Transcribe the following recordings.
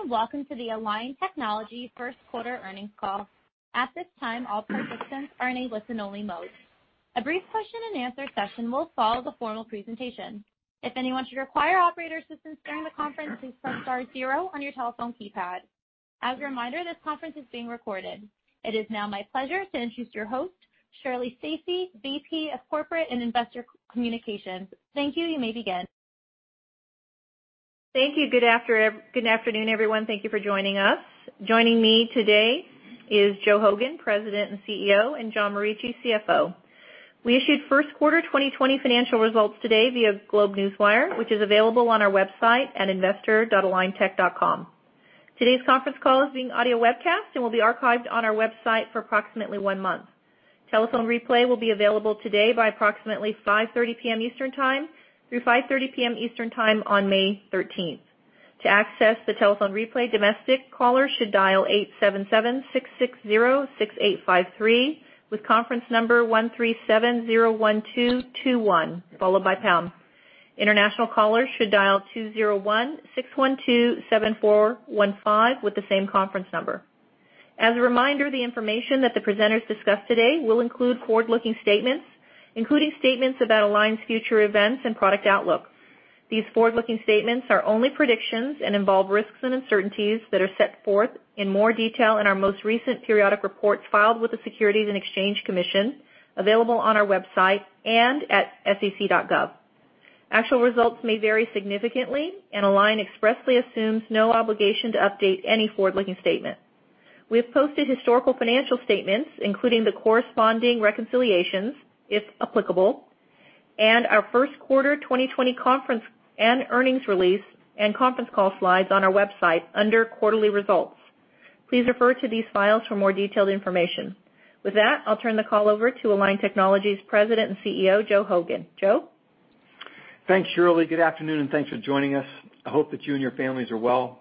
Greetings, welcome to the Align Technology first quarter earnings call. At this time, all participants are in a listen-only mode. A brief question and answer session will follow the formal presentation. If anyone should require operator assistance during the conference, please press star zero on your telephone keypad. As a reminder, this conference is being recorded. It is now my pleasure to introduce your host, Shirley Stacy, VP of Corporate and Investor Communications. Thank you. You may begin. Thank you. Good afternoon, everyone. Thank you for joining us. Joining me today is Joe Hogan, President and CEO, and John Morici, CFO. We issued first quarter 2020 financial results today via GlobeNewswire, which is available on our website at investor.aligntech.com. Today's conference call is being audio webcast and will be archived on our website for approximately one month. Telephone replay will be available today by approximately 5:30 P.M. Eastern Time through 5:30 P.M. Eastern Time on May 13th. To access the telephone replay, domestic callers should dial 877-660-6853 with conference number 13701221, followed by pound. International callers should dial 201-612-7415 with the same conference number. As a reminder, the information that the presenters discuss today will include forward-looking statements, including statements about Align's future events and product outlook. These forward-looking statements are only predictions and involve risks and uncertainties that are set forth in more detail in our most recent periodic reports filed with the Securities and Exchange Commission, available on our website and at sec.gov. Actual results may vary significantly, and Align expressly assumes no obligation to update any forward-looking statement. We have posted historical financial statements, including the corresponding reconciliations, if applicable, and our first quarter 2020 conference and earnings release and conference call slides on our website under quarterly results. Please refer to these files for more detailed information. With that, I'll turn the call over to Align Technology's President and CEO, Joe Hogan. Joe? Thanks, Shirley. Good afternoon, and thanks for joining us. I hope that you and your families are well.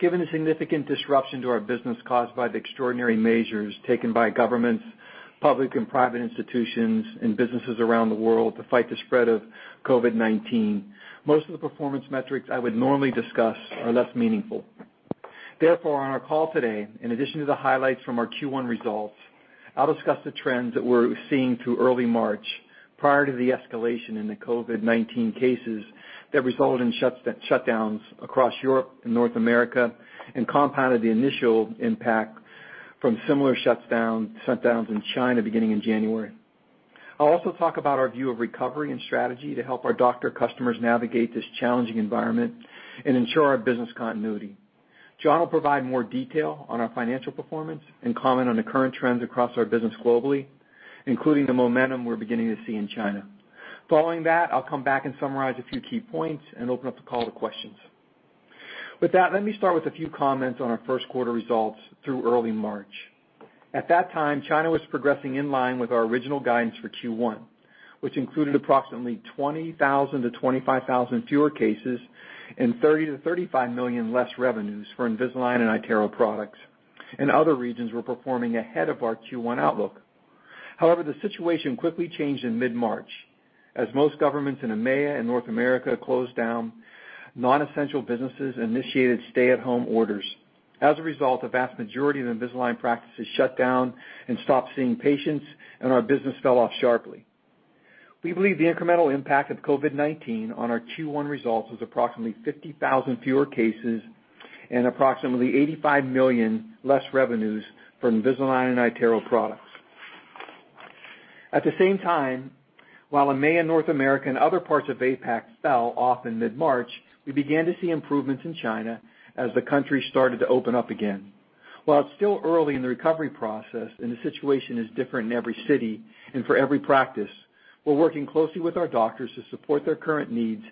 Given the significant disruption to our business caused by the extraordinary measures taken by governments, public and private institutions, and businesses around the world to fight the spread of COVID-19, most of the performance metrics I would normally discuss are less meaningful. On our call today, in addition to the highlights from our Q1 results, I'll discuss the trends that we're seeing through early March, prior to the escalation in the COVID-19 cases that resulted in shutdowns across Europe and North America and compounded the initial impact from similar shutdowns in China beginning in January. I'll also talk about our view of recovery and strategy to help our doctor customers navigate this challenging environment and ensure our business continuity. John will provide more detail on our financial performance and comment on the current trends across our business globally, including the momentum we're beginning to see in China. Following that, I'll come back and summarize a few key points and open up the call to questions. With that, let me start with a few comments on our first quarter results through early March. At that time, China was progressing in line with our original guidance for Q1, which included approximately 20,000-25,000 fewer cases and $30 million-$35 million less revenues for Invisalign and iTero products, and other regions were performing ahead of our Q1 outlook. However, the situation quickly changed in mid-March, as most governments in EMEA and North America closed down non-essential businesses and initiated stay-at-home orders. As a result, a vast majority of Invisalign practices shut down and stopped seeing patients. Our business fell off sharply. We believe the incremental impact of COVID-19 on our Q1 results was approximately 50,000 fewer cases and approximately $85 million less revenues for Invisalign and iTero products. At the same time, while EMEA, North America, and other parts of APAC fell off in mid-March, we began to see improvements in China as the country started to open up again. While it's still early in the recovery process and the situation is different in every city and for every practice, we're working closely with our doctors to support their current needs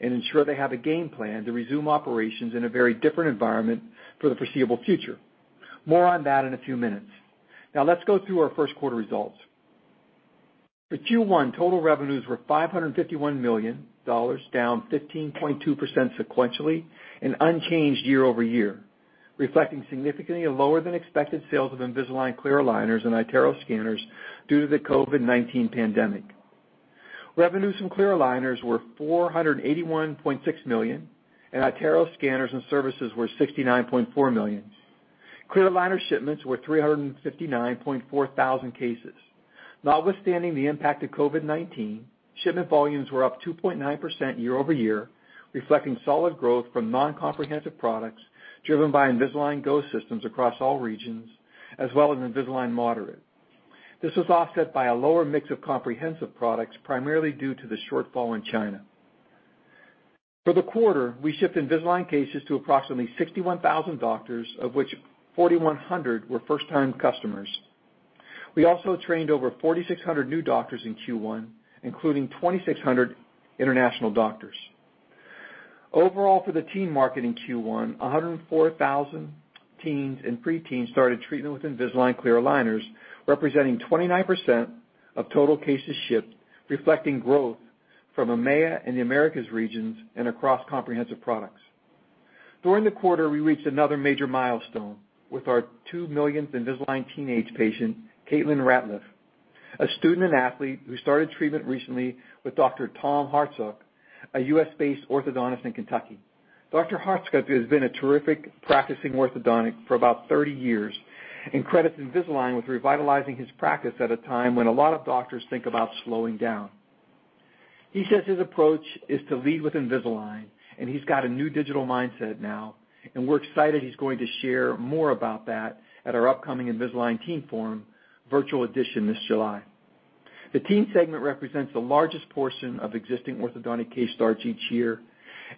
and ensure they have a game plan to resume operations in a very different environment for the foreseeable future. More on that in a few minutes. Let's go through our first quarter results. For Q1, total revenues were $551 million, down 15.2% sequentially and unchanged year-over-year, reflecting significantly lower than expected sales of Invisalign clear aligners and iTero scanners due to the COVID-19 pandemic. Revenues from clear aligners were $481.6 million, and iTero scanners and services were $69.4 million. Clear aligner shipments were 359.4 thousand cases. Notwithstanding the impact of COVID-19, shipment volumes were up 2.9% year-over-year, reflecting solid growth from non-comprehensive products driven by Invisalign Go systems across all regions, as well as Invisalign Moderate. This was offset by a lower mix of comprehensive products, primarily due to the shortfall in China. For the quarter, we shipped Invisalign cases to approximately 61,000 doctors, of which 4,100 were first-time customers. We also trained over 4,600 new doctors in Q1, including 2,600 international doctors. Overall, for the teen market in Q1, 104,000 teens and preteens started treatment with Invisalign clear aligners, representing 29% of total cases shipped, reflecting growth from EMEA and the Americas regions, and across comprehensive products. During the quarter, we reached another major milestone with our two millionth Invisalign teenage patient, Caitlin Ratliff, a student and athlete who started treatment recently with Dr. Tom Hartsock, a U.S.-based orthodontist in Kentucky. Dr. Hartsock has been a terrific practicing orthodontic for about 30 years and credits Invisalign with revitalizing his practice at a time when a lot of doctors think about slowing down. He says his approach is to lead with Invisalign, and he's got a new digital mindset now, and we're excited he's going to share more about that at our upcoming Invisalign Teen Forum Virtual Edition this July. The teen segment represents the largest portion of existing orthodontic case starts each year.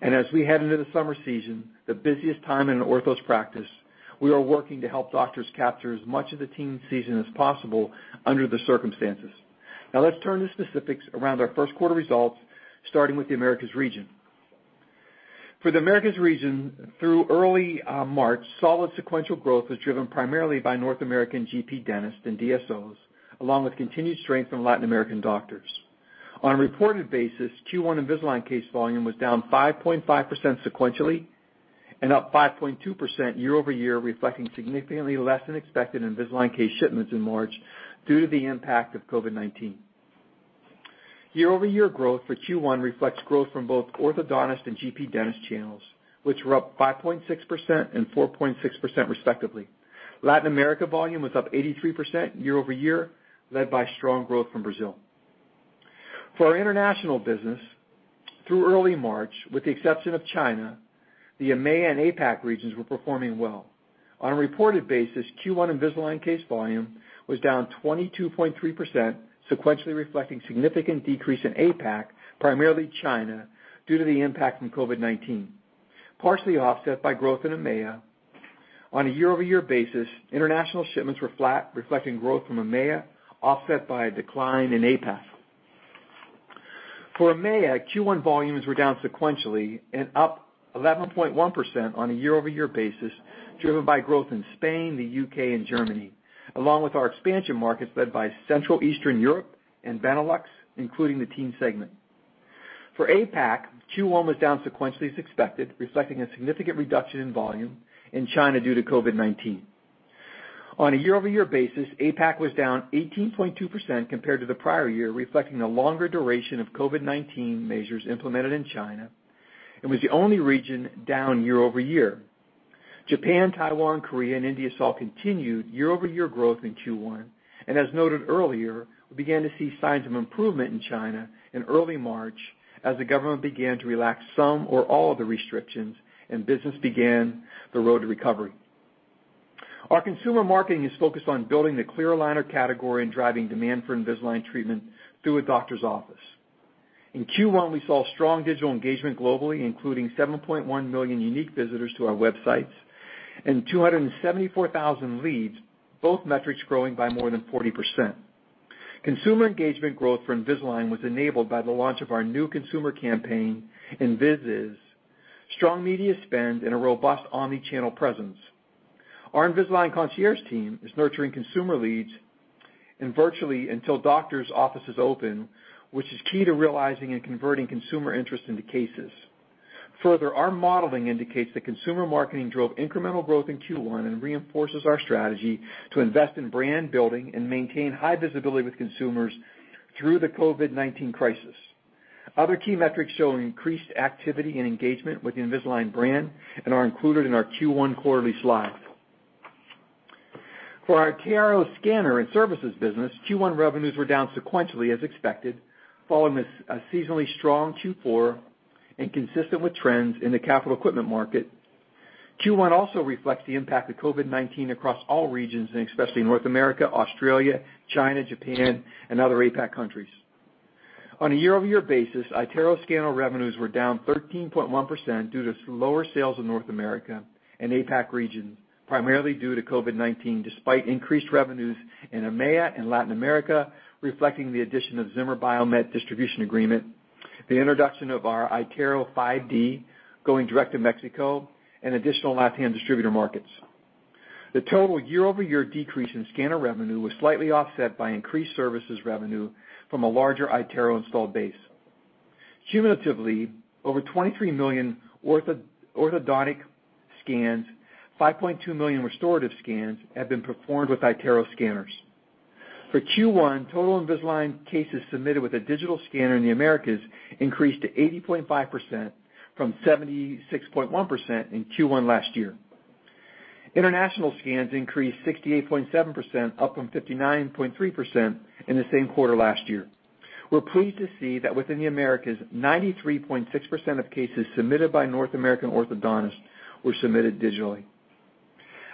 As we head into the summer season, the busiest time in an ortho's practice, we are working to help doctors capture as much of the teen season as possible under the circumstances. Now let's turn to specifics around our first quarter results, starting with the Americas region. For the Americas region, through early March, solid sequential growth was driven primarily by North American GP dentists and DSOs, along with continued strength from Latin American doctors. On a reported basis, Q1 Invisalign case volume was down 5.5% sequentially and up 5.2% year-over-year, reflecting significantly less than expected Invisalign case shipments in March due to the impact of COVID-19. Year-over-year growth for Q1 reflects growth from both orthodontist and GP dentist channels, which were up 5.6% and 4.6% respectively. Latin America volume was up 83% year-over-year, led by strong growth from Brazil. For our international business, through early March, with the exception of China, the EMEA and APAC regions were performing well. On a reported basis, Q1 Invisalign case volume was down 22.3% sequentially, reflecting significant decrease in APAC, primarily China, due to the impact from COVID-19, partially offset by growth in EMEA. On a year-over-year basis, international shipments were flat, reflecting growth from EMEA offset by a decline in APAC. For EMEA, Q1 volumes were down sequentially and up 11.1% on a year-over-year basis, driven by growth in Spain, the U.K., and Germany, along with our expansion markets led by Central Eastern Europe and Benelux, including the teen segment. For APAC, Q1 was down sequentially as expected, reflecting a significant reduction in volume in China due to COVID-19. On a year-over-year basis, APAC was down 18.2% compared to the prior year, reflecting a longer duration of COVID-19 measures implemented in China, and was the only region down year-over-year. Japan, Taiwan, Korea, and India all continued year-over-year growth in Q1, and as noted earlier, we began to see signs of improvement in China in early March as the government began to relax some or all of the restrictions and business began the road to recovery. Our consumer marketing is focused on building the clear aligner category and driving demand for Invisalign treatment through a doctor's office. In Q1, we saw strong digital engagement globally, including 7.1 million unique visitors to our websites and 274,000 leads, both metrics growing by more than 40%. Consumer engagement growth for Invisalign was enabled by the launch of our new consumer campaign, Invis Is, strong media spend, and a robust omni-channel presence. Our Invisalign concierge team is nurturing consumer leads and virtually until doctors' offices open, which is key to realizing and converting consumer interest into cases. Further, our modeling indicates that consumer marketing drove incremental growth in Q1 and reinforces our strategy to invest in brand building and maintain high visibility with consumers through the COVID-19 crisis. Other key metrics show an increased activity and engagement with the Invisalign brand and are included in our Q1 quarterly slides. For our iTero scanner and services business, Q1 revenues were down sequentially as expected, following a seasonally strong Q4 and consistent with trends in the capital equipment market. Q1 also reflects the impact of COVID-19 across all regions, and especially North America, Australia, China, Japan, and other APAC countries. On a year-over-year basis, iTero scanner revenues were down 13.1% due to lower sales in North America and APAC region, primarily due to COVID-19, despite increased revenues in EMEA and Latin America, reflecting the addition of Zimmer Biomet distribution agreement, the introduction of our iTero Element 5D going direct to Mexico, and additional LatAm distributor markets. The total year-over-year decrease in scanner revenue was slightly offset by increased services revenue from a larger iTero installed base. Cumulatively, over 23 million orthodontic scans, 5.2 million restorative scans, have been performed with iTero scanners. For Q1, total Invisalign cases submitted with a digital scanner in the Americas increased to 80.5% from 76.1% in Q1 last year. International scans increased 68.7%, up from 59.3% in the same quarter last year. We're pleased to see that within the Americas, 93.6% of cases submitted by North American orthodontists were submitted digitally.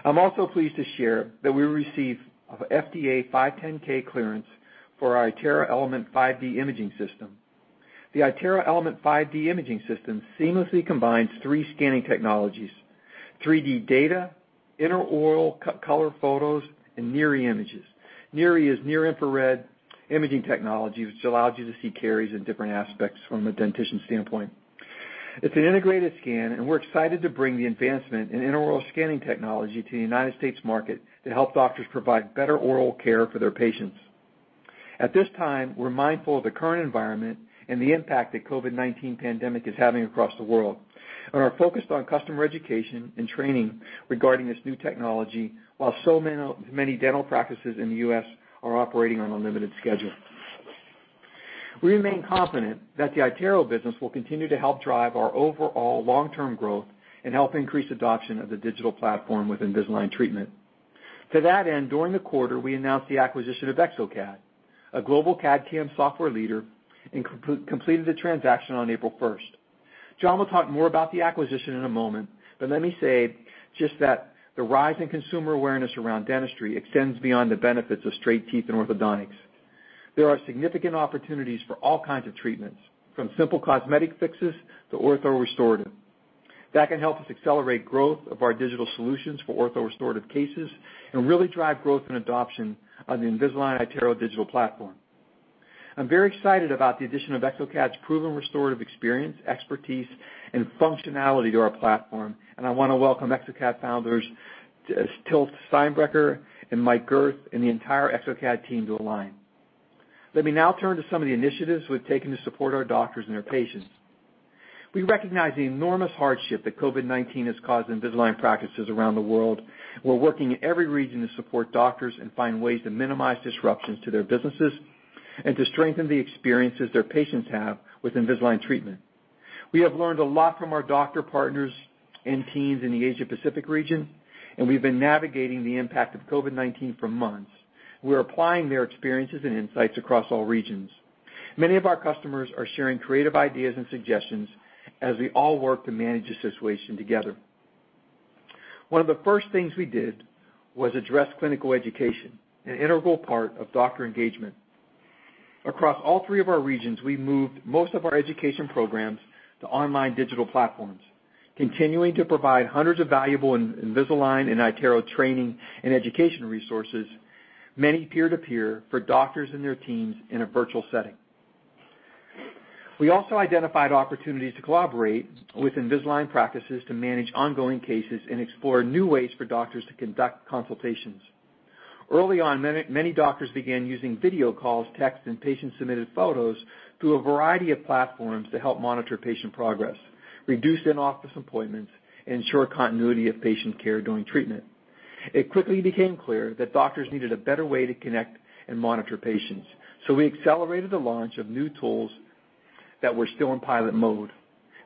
I'm also pleased to share that we received an FDA 510(k) clearance for our iTero Element 5D imaging system. The iTero Element 5D imaging system seamlessly combines 3 scanning technologies, 3D data, intraoral color photos, and NIRI images. NIRI is near-infrared imaging technology, which allows you to see caries in different aspects from a dentition standpoint. It's an integrated scan, and we're excited to bring the advancement in intraoral scanning technology to the United States market to help doctors provide better oral care for their patients. At this time, we're mindful of the current environment and the impact the COVID-19 pandemic is having across the world, and are focused on customer education and training regarding this new technology while so many dental practices in the U.S. are operating on a limited schedule. We remain confident that the iTero business will continue to help drive our overall long-term growth and help increase adoption of the digital platform with Invisalign treatment. To that end, during the quarter, we announced the acquisition of exocad, a global CAD/CAM software leader, and completed the transaction on April 1st. John will talk more about the acquisition in a moment. Let me say just that the rise in consumer awareness around dentistry extends beyond the benefits of straight teeth and orthodontics. There are significant opportunities for all kinds of treatments, from simple cosmetic fixes to ortho-restorative. That can help us accelerate growth of our digital solutions for ortho-restorative cases and really drive growth and adoption of the Invisalign iTero digital platform. I'm very excited about the addition of exocad's proven restorative experience, expertise, and functionality to our platform. I want to welcome exocad founders, Till Steinbrecher and Maik Gerth, and the entire exocad team to Align. Let me now turn to some of the initiatives we've taken to support our doctors and their patients. We recognize the enormous hardship that COVID-19 has caused Invisalign practices around the world. We're working in every region to support doctors and find ways to minimize disruptions to their businesses and to strengthen the experiences their patients have with Invisalign treatment. We have learned a lot from our doctor partners and teams in the Asia Pacific region, and we've been navigating the impact of COVID-19 for months. We're applying their experiences and insights across all regions. Many of our customers are sharing creative ideas and suggestions as we all work to manage the situation together. One of the first things we did was address clinical education, an integral part of doctor engagement. Across all three of our regions, we moved most of our education programs to online digital platforms, continuing to provide hundreds of valuable Invisalign and iTero training and education resources, many peer-to-peer, for doctors and their teams in a virtual setting. We also identified opportunities to collaborate with Invisalign practices to manage ongoing cases and explore new ways for doctors to conduct consultations. Early on, many doctors began using video calls, texts, and patient-submitted photos through a variety of platforms to help monitor patient progress, reduce in-office appointments, and ensure continuity of patient care during treatment. It quickly became clear that doctors needed a better way to connect and monitor patients, so we accelerated the launch of new tools that were still in pilot mode.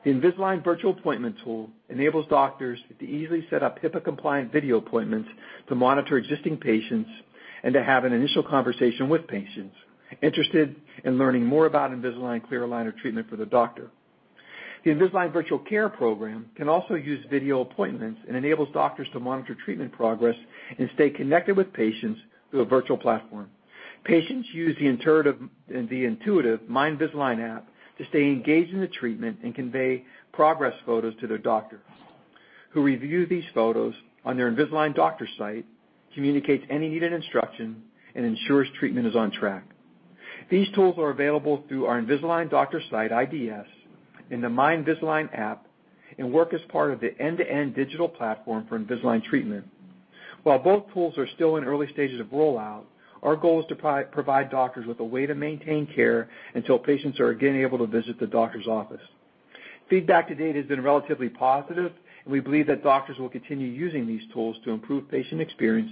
The Invisalign Virtual Appointment tool enables doctors to easily set up HIPAA-compliant video appointments to monitor existing patients and to have an initial conversation with patients interested in learning more about Invisalign clear aligner treatment for the doctor. The Invisalign Virtual Care program can also use video appointments and enables doctors to monitor treatment progress and stay connected with patients through a virtual platform. Patients use the intuitive My Invisalign app to stay engaged in the treatment and convey progress photos to their doctors, who review these photos on their Invisalign Doctor Site, communicates any needed instruction, and ensures treatment is on track. These tools are available through our Invisalign Doctor Site, IDS, and the My Invisalign app and work as part of the end-to-end digital platform for Invisalign treatment. While both tools are still in early stages of rollout, our goal is to provide doctors with a way to maintain care until patients are again able to visit the doctor's office. Feedback to date has been relatively positive, and we believe that doctors will continue using these tools to improve patient experience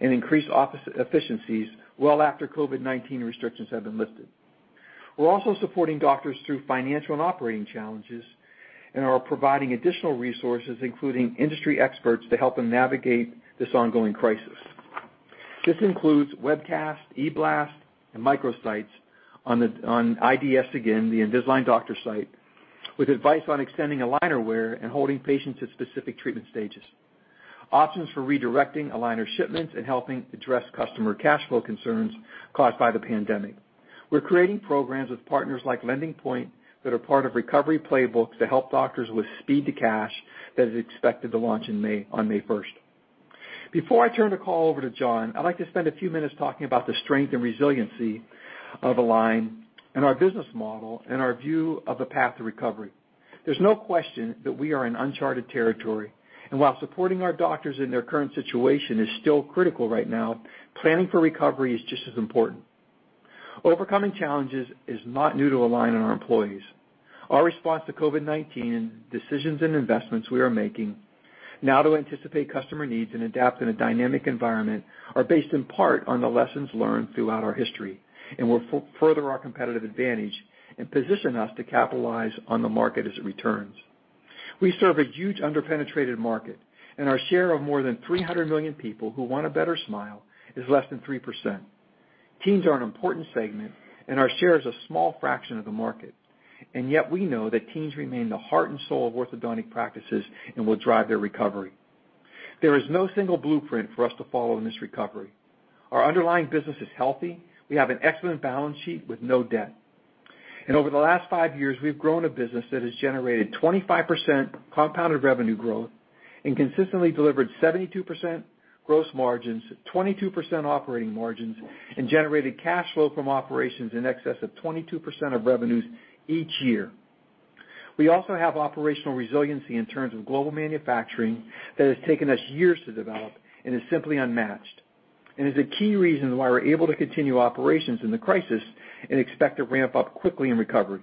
and increase office efficiencies well after COVID-19 restrictions have been lifted. We're also supporting doctors through financial and operating challenges and are providing additional resources, including industry experts, to help them navigate this ongoing crisis. This includes webcasts, e-blasts, and microsites on IDS, again, the Invisalign Doctor Site, with advice on extending aligner wear and holding patients at specific treatment stages, options for redirecting aligner shipments, and helping address customer cash flow concerns caused by the pandemic. We're creating programs with partners like LendingPoint that are part of recovery playbooks to help doctors with speed to cash that is expected to launch on May 1st. Before I turn the call over to John, I'd like to spend a few minutes talking about the strength and resiliency of Align and our business model and our view of the path to recovery. There's no question that we are in uncharted territory, and while supporting our doctors in their current situation is still critical right now, planning for recovery is just as important. Overcoming challenges is not new to Align and our employees. Our response to COVID-19 and decisions and investments we are making now to anticipate customer needs and adapt in a dynamic environment are based in part on the lessons learned throughout our history, and will further our competitive advantage and position us to capitalize on the market as it returns. We serve a huge under-penetrated market, and our share of more than 300 million people who want a better smile is less than 3%. Teens are an important segment, and our share is a small fraction of the market, and yet we know that teens remain the heart and soul of orthodontic practices and will drive their recovery. There is no single blueprint for us to follow in this recovery. Our underlying business is healthy. We have an excellent balance sheet with no debt. Over the last 5 years, we've grown a business that has generated 25% compounded revenue growth and consistently delivered 72% gross margins, 22% operating margins, and generated cash flow from operations in excess of 22% of revenues each year. We also have operational resiliency in terms of global manufacturing that has taken us years to develop and is simply unmatched, and is a key reason why we're able to continue operations in the crisis and expect to ramp up quickly in recovery.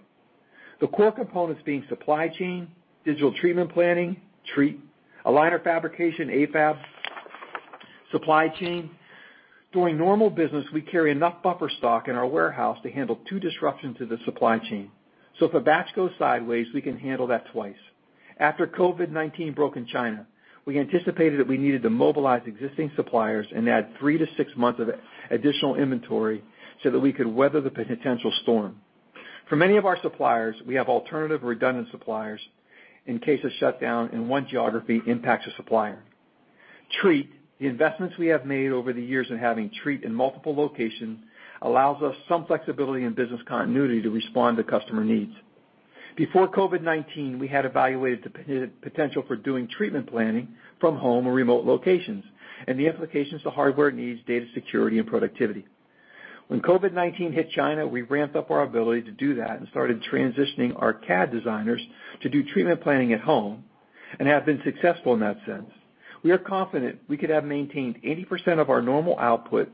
The core components being supply chain, digital treatment planning, Treat, aligner fabrication, AFAB, supply chain. During normal business, we carry enough buffer stock in our warehouse to handle two disruptions to the supply chain. If a batch goes sideways, we can handle that twice. After COVID-19 broke in China, we anticipated that we needed to mobilize existing suppliers and add 3 to 6 months of additional inventory so that we could weather the potential storm. For many of our suppliers, we have alternative redundant suppliers in case a shutdown in one geography impacts a supplier. Treat, the investments we have made over the years in having Treat in multiple locations, allows us some flexibility in business continuity to respond to customer needs. Before COVID-19, we had evaluated the potential for doing treatment planning from home or remote locations, and the implications to hardware needs, data security, and productivity. When COVID-19 hit China, we ramped up our ability to do that and started transitioning our CAD designers to do treatment planning at home, and have been successful in that sense. We are confident we could have maintained 80% of our normal output.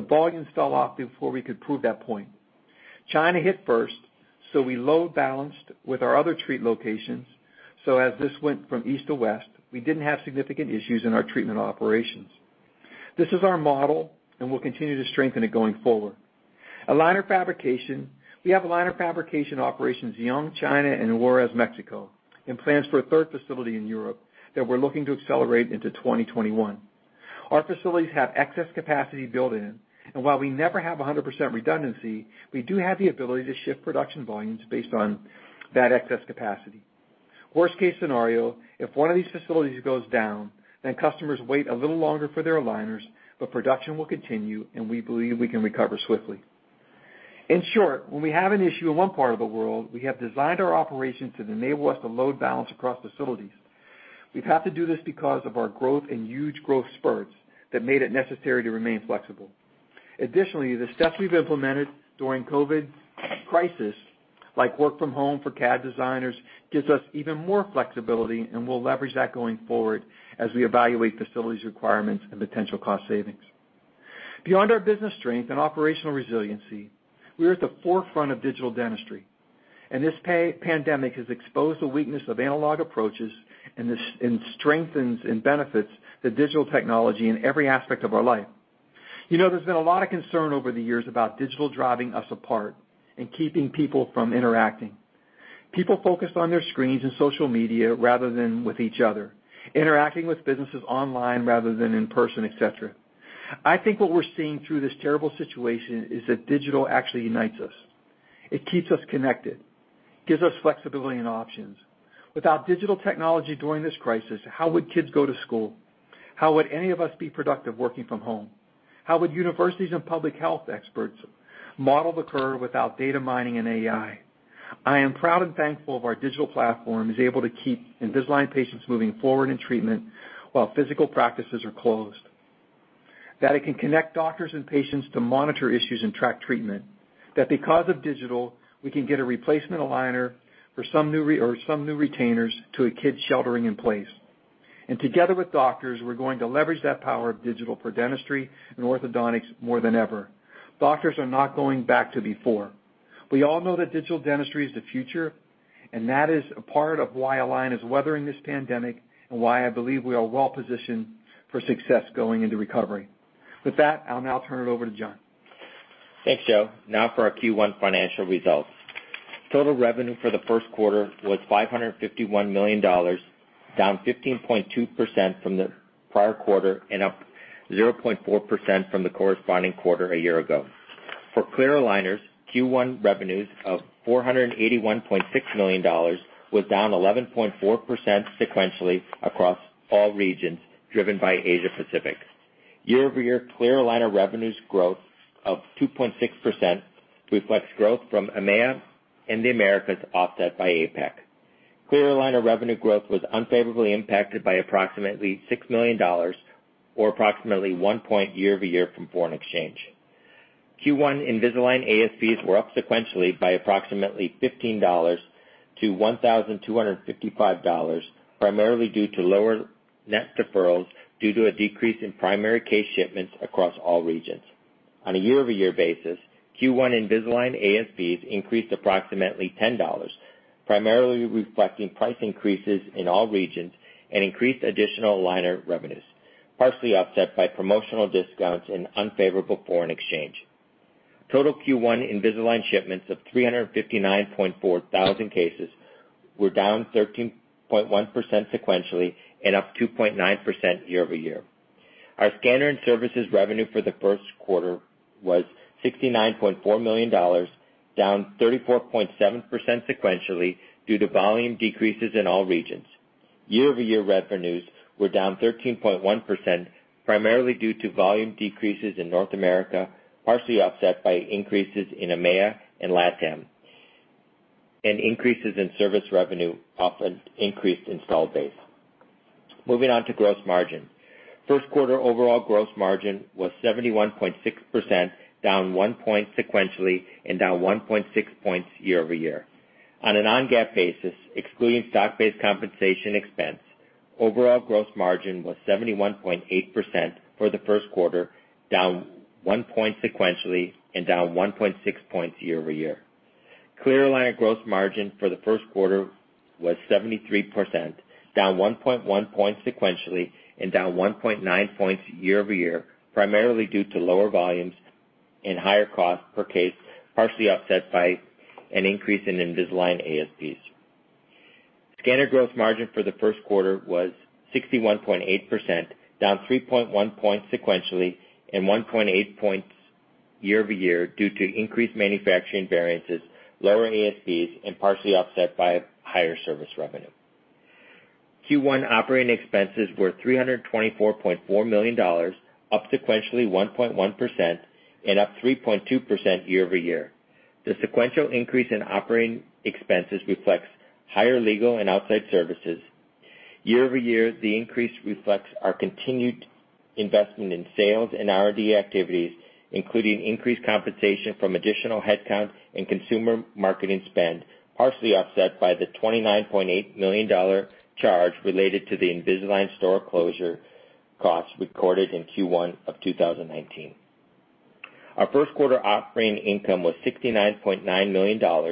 Volumes fell off before we could prove that point. China hit first. We load balanced with our other Treat locations, so as this went from east to west, we didn't have significant issues in our treatment operations. This is our model. We'll continue to strengthen it going forward. Aligner fabrication. We have aligner fabrication operations in Ziyang, China and Juarez, Mexico, and plans for a third facility in Europe that we're looking to accelerate into 2021. Our facilities have excess capacity built in, and while we never have 100% redundancy, we do have the ability to shift production volumes based on that excess capacity. Worst case scenario, if one of these facilities goes down, then customers wait a little longer for their aligners, but production will continue, and we believe we can recover swiftly. In short, when we have an issue in one part of the world, we have designed our operations to enable us to load balance across facilities. We've had to do this because of our growth and huge growth spurts that made it necessary to remain flexible. Additionally, the steps we've implemented during COVID-19 crisis, like work from home for CAD designers, gives us even more flexibility, and we'll leverage that going forward as we evaluate facilities requirements and potential cost savings. Beyond our business strength and operational resiliency, we are at the forefront of digital dentistry, and this pandemic has exposed the weakness of analog approaches and strengthens and benefits the digital technology in every aspect of our life. There's been a lot of concern over the years about digital driving us apart and keeping people from interacting. People focused on their screens and social media rather than with each other, interacting with businesses online rather than in person, et cetera. I think what we're seeing through this terrible situation is that digital actually unites us. It keeps us connected, gives us flexibility and options. Without digital technology during this crisis, how would kids go to school? How would any of us be productive working from home? How would universities and public health experts model the curve without data mining and AI? I am proud and thankful of our digital platform is able to keep Invisalign patients moving forward in treatment while physical practices are closed. It can connect doctors and patients to monitor issues and track treatment. Because of digital, we can get a replacement aligner or some new retainers to a kid sheltering in place. Together with doctors, we're going to leverage that power of digital for dentistry and orthodontics more than ever. Doctors are not going back to before. We all know that digital dentistry is the future, that is a part of why Align is weathering this pandemic, why I believe we are well positioned for success going into recovery. With that, I'll now turn it over to John. Thanks, Joe. For our Q1 financial results. Total revenue for the first quarter was $551 million, down 15.2% from the prior quarter and up 0.4% from the corresponding quarter a year ago. For clear aligners, Q1 revenues of $481.6 million was down 11.4% sequentially across all regions, driven by Asia Pacific. Year-over-year clear aligner revenues growth of 2.6% reflects growth from EMEA and the Americas, offset by APAC. Clear aligner revenue growth was unfavorably impacted by approximately $6 million, or approximately 1 point year-over-year, from foreign exchange. Q1 Invisalign ASPs were up sequentially by approximately $15 to $1,255, primarily due to lower net deferrals due to a decrease in primary case shipments across all regions. On a year-over-year basis, Q1 Invisalign ASPs increased approximately $10, primarily reflecting price increases in all regions and increased additional aligner revenues, partially offset by promotional discounts and unfavorable foreign exchange. Total Q1 Invisalign shipments of 359.4 thousand cases were down 13.1% sequentially and up 2.9% year-over-year. Our scanner and services revenue for the first quarter was $69.4 million, down 34.7% sequentially due to volume decreases in all regions. Year-over-year revenues were down 13.1%, primarily due to volume decreases in North America, partially offset by increases in EMEA and LatAm, and increases in service revenue off an increased install base. Moving on to gross margin. First quarter overall gross margin was 71.6%, down one point sequentially and down 1.6 points year-over-year. On a non-GAAP basis, excluding stock-based compensation expense, overall gross margin was 71.8% for the first quarter, down one point sequentially and down 1.6 points year-over-year. Clear aligner gross margin for the first quarter was 73%, down 1.1 points sequentially and down 1.9 points year-over-year, primarily due to lower volumes and higher cost per case, partially offset by an increase in Invisalign ASPs. Scanner gross margin for the first quarter was 61.8%, down 3.1 points sequentially and 1.8 points year-over-year due to increased manufacturing variances, lower ASPs, and partially offset by higher service revenue. Q1 operating expenses were $324.4 million, up sequentially 1.1% and up 3.2% year-over-year. The sequential increase in operating expenses reflects higher legal and outside services. Year-over-year, the increase reflects our continued investment in sales and R&D activities, including increased compensation from additional headcount and consumer marketing spend, partially offset by the $29.8 million charge related to the Invisalign store closure costs recorded in Q1 of 2019. Our first quarter operating income was $69.9 million, down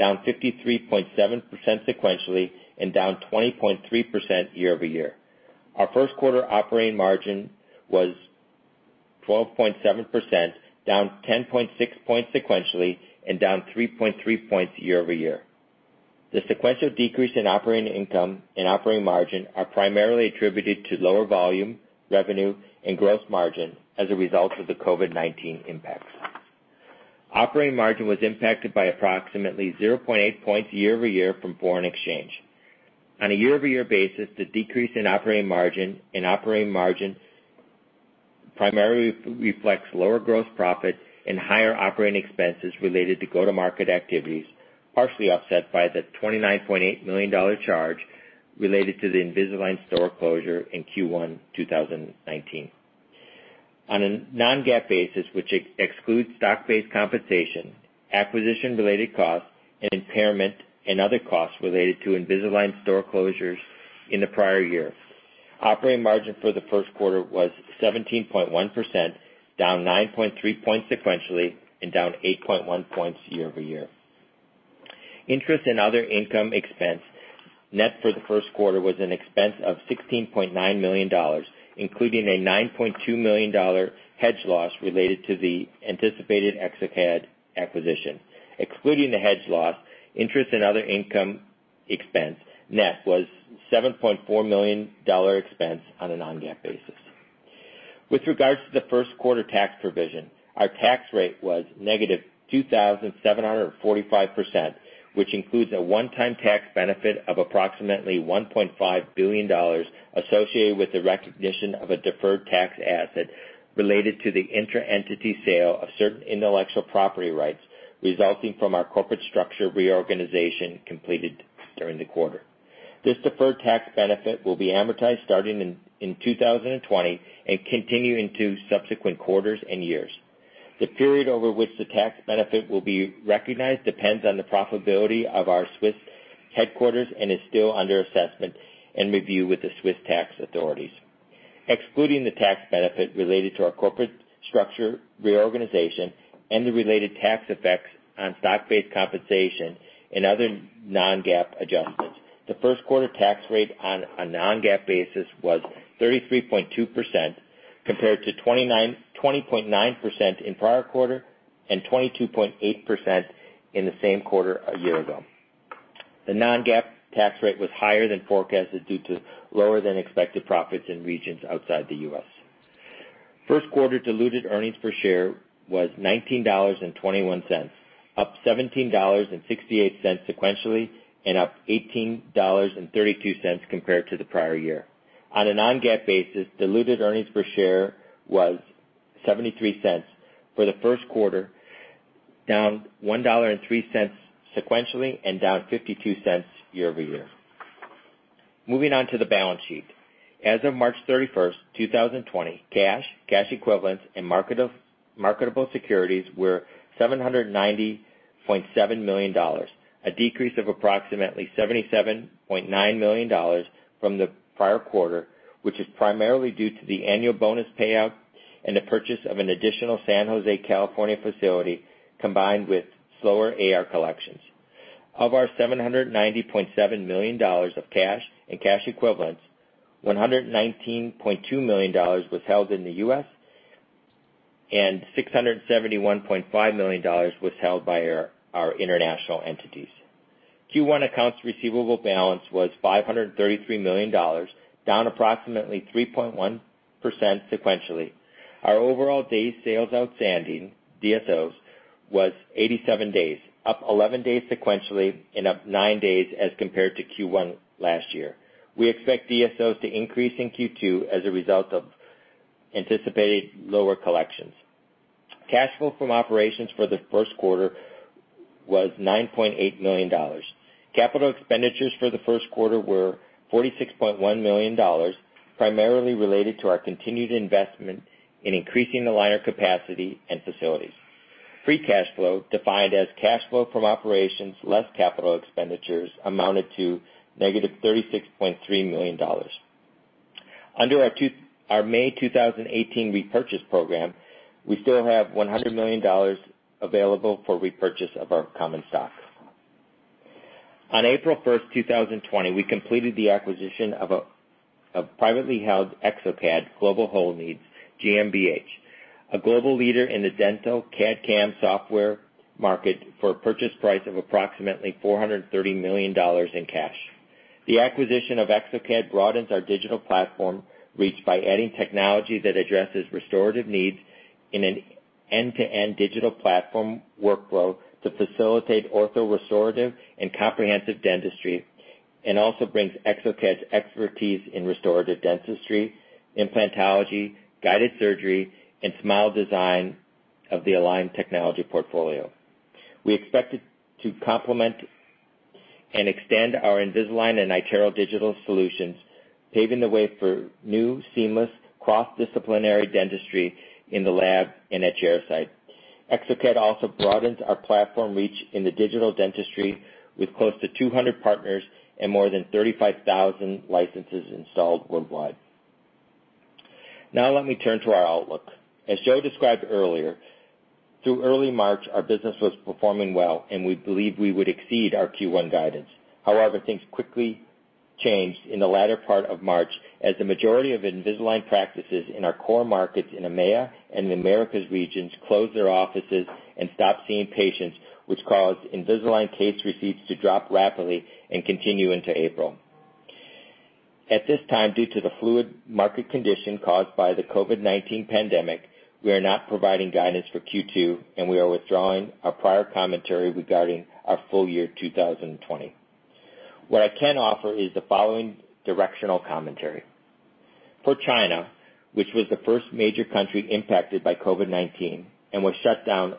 53.7% sequentially and down 20.3% year-over-year. Our first quarter operating margin was 12.7%, down 10.6 points sequentially and down 3.3 points year-over-year. The sequential decrease in operating income and operating margin are primarily attributed to lower volume, revenue, and gross margin as a result of the COVID-19 impacts. Operating margin was impacted by approximately 0.8 points year-over-year from foreign exchange. On a year-over-year basis, the decrease in operating margin primarily reflects lower gross profit and higher operating expenses related to go-to-market activities, partially offset by the $29.8 million charge related to the Invisalign store closure in Q1 2019. On a non-GAAP basis, which excludes stock-based compensation, acquisition-related costs, and impairment and other costs related to Invisalign store closures in the prior year, operating margin for the first quarter was 17.1%, down 9.3 points sequentially and down 8.1 points year over year. Interest and other income expense net for the first quarter was an expense of $16.9 million, including a $9.2 million hedge loss related to the anticipated exocad acquisition. Excluding the hedge loss, interest and other income expense net was $7.4 million expense on a non-GAAP basis. With regards to the first quarter tax provision, our tax rate was -2,745%, which includes a one-time tax benefit of approximately $1.5 billion associated with the recognition of a deferred tax asset related to the intra-entity sale of certain intellectual property rights resulting from our corporate structure reorganization completed during the quarter. This deferred tax benefit will be amortized starting in 2020 and continue into subsequent quarters and years. The period over which the tax benefit will be recognized depends on the profitability of our Swiss headquarters and is still under assessment and review with the Swiss tax authorities. Excluding the tax benefit related to our corporate structure reorganization and the related tax effects on stock-based compensation and other non-GAAP adjustments, the first quarter tax rate on a non-GAAP basis was 33.2% compared to 20.9% in prior quarter and 22.8% in the same quarter a year ago. The non-GAAP tax rate was higher than forecasted due to lower than expected profits in regions outside the U.S. First quarter diluted earnings per share was $19.21, up $17.68 sequentially and up $18.32 compared to the prior year. On a non-GAAP basis, diluted earnings per share was $0.73 for the first quarter, down $1.03 sequentially and down $0.52 year-over-year. Moving on to the balance sheet. As of March 31st, 2020, cash equivalents, and marketable securities were $790.7 million, a decrease of approximately $77.9 million from the prior quarter, which is primarily due to the annual bonus payout and the purchase of an additional San Jose, California, facility, combined with slower AR collections. Of our $790.7 million of cash and cash equivalents, $119.2 million was held in the U.S., and $671.5 million was held by our international entities. Q1 accounts receivable balance was $533 million, down approximately 3.1% sequentially. Our overall days sales outstanding, DSOs, was 87 days, up 11 days sequentially and up nine days as compared to Q1 last year. We expect DSOs to increase in Q2 as a result of anticipated lower collections. Cash flow from operations for the first quarter was $9.8 million. Capital expenditures for the first quarter were $46.1 million, primarily related to our continued investment in increasing the liner capacity and facilities. Free cash flow, defined as cash flow from operations, less capital expenditures, amounted to -$36.3 million. Under our May 2018 repurchase program, we still have $100 million available for repurchase of our common stock. On April 1st, 2020, we completed the acquisition of privately held exocad Global Holdings GmbH, a global leader in the dental CAD/CAM software market, for a purchase price of approximately $430 million in cash. The acquisition of exocad broadens our digital platform reach by adding technology that addresses restorative needs in an end-to-end digital platform workflow to facilitate ortho restorative and comprehensive dentistry, and also brings exocad's expertise in restorative dentistry, implantology, guided surgery, and smile design of the Align Technology portfolio. We expect to complement and extend our Invisalign and iTero digital solutions, paving the way for new, seamless, cross-disciplinary dentistry in the lab and at chairside. exocad also broadens our platform reach in the digital dentistry, with close to 200 partners and more than 35,000 licenses installed worldwide. Let me turn to our outlook. As Joe described earlier, through early March, our business was performing well, and we believed we would exceed our Q1 guidance. However, things quickly changed in the latter part of March as the majority of Invisalign practices in our core markets in EMEA and the Americas regions closed their offices and stopped seeing patients, which caused Invisalign case receipts to drop rapidly and continue into April. At this time, due to the fluid market condition caused by the COVID-19 pandemic, we are not providing guidance for Q2, and we are withdrawing our prior commentary regarding our full year 2020. What I can offer is the following directional commentary. For China, which was the first major country impacted by COVID-19 and was shut down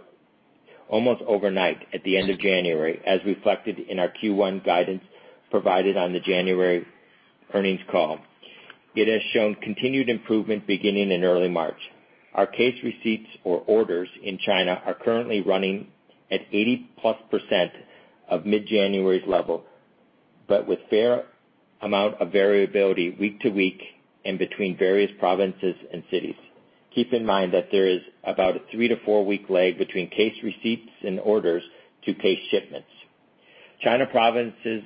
almost overnight at the end of January, as reflected in our Q1 guidance provided on the January earnings call. It has shown continued improvement beginning in early March. Our case receipts or orders in China are currently running at 80% plus of mid-January's level, but with fair amount of variability week-to-week and between various provinces and cities. Keep in mind that there is about a three-to-four-week lag between case receipts and orders to case shipments. China provinces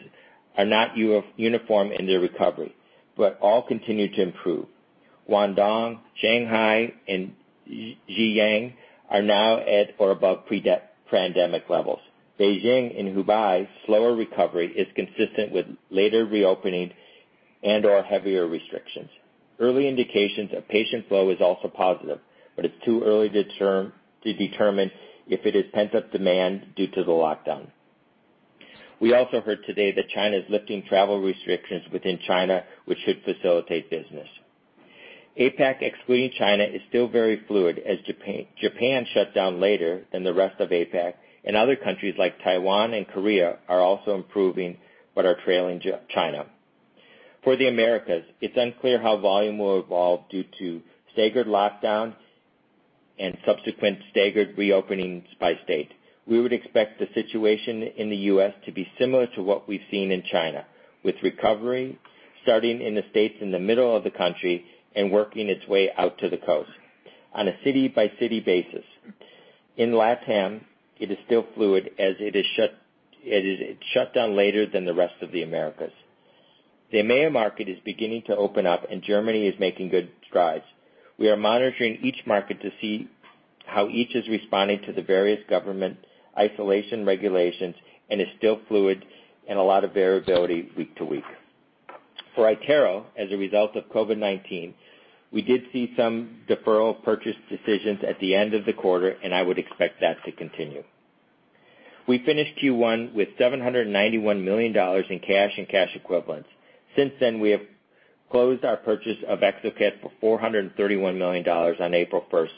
are not uniform in their recovery, all continue to improve. Guangdong, Shanghai, and Zhejiang are now at or above pre-pandemic levels. Beijing and Hubei's slower recovery is consistent with later reopening and/or heavier restrictions. Early indications of patient flow is also positive, it's too early to determine if it is pent-up demand due to the lockdown. We also heard today that China is lifting travel restrictions within China, which should facilitate business. APAC, excluding China, is still very fluid as Japan shut down later than the rest of APAC, and other countries like Taiwan and Korea are also improving but are trailing China. For the Americas, it is unclear how volume will evolve due to staggered lockdowns and subsequent staggered reopenings by state. We would expect the situation in the U.S. to be similar to what we've seen in China, with recovery starting in the states in the middle of the country and working its way out to the coast on a city-by-city basis. In LATAM, it is still fluid as it shut down later than the rest of the Americas. The EMEA market is beginning to open up, and Germany is making good strides. We are monitoring each market to see how each is responding to the various government isolation regulations and is still fluid and a lot of variability week to week. For iTero, as a result of COVID-19, we did see some deferral of purchase decisions at the end of the quarter, and I would expect that to continue. We finished Q1 with $791 million in cash and cash equivalents. Since then, we have closed our purchase of exocad for $431 million on April 1st.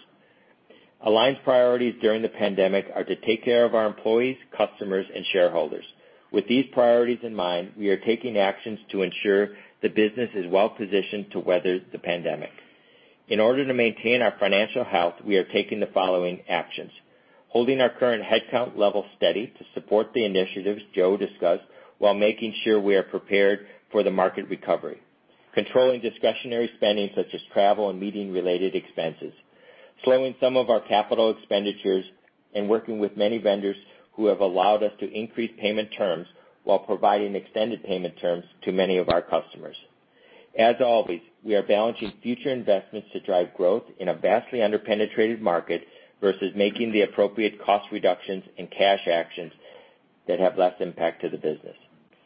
Align's priorities during the pandemic are to take care of our employees, customers, and shareholders. With these priorities in mind, we are taking actions to ensure the business is well positioned to weather the pandemic. In order to maintain our financial health, we are taking the following actions. Holding our current headcount level steady to support the initiatives Joe discussed while making sure we are prepared for the market recovery. Controlling discretionary spending such as travel and meeting-related expenses. Slowing some of our capital expenditures and working with many vendors who have allowed us to increase payment terms while providing extended payment terms to many of our customers. As always, we are balancing future investments to drive growth in a vastly under-penetrated market versus making the appropriate cost reductions and cash actions that have less impact to the business.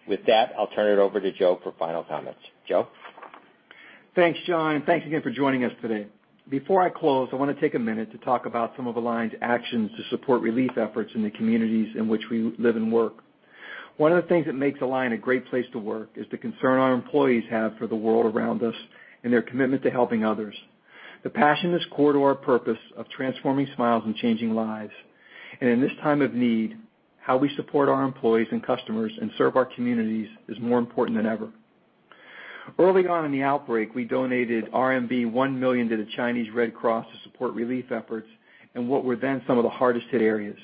With that, I'll turn it over to Joe for final comments. Joe? Thanks, John. Thanks again for joining us today. Before I close, I want to take a minute to talk about some of Align's actions to support relief efforts in the communities in which we live and work. One of the things that makes Align a great place to work is the concern our employees have for the world around us and their commitment to helping others. The passion is core to our purpose of transforming smiles and changing lives. In this time of need, how we support our employees and customers and serve our communities is more important than ever. Early on in the outbreak, we donated RMB 1 million to the Red Cross Society of China to support relief efforts in what were then some of the hardest hit areas.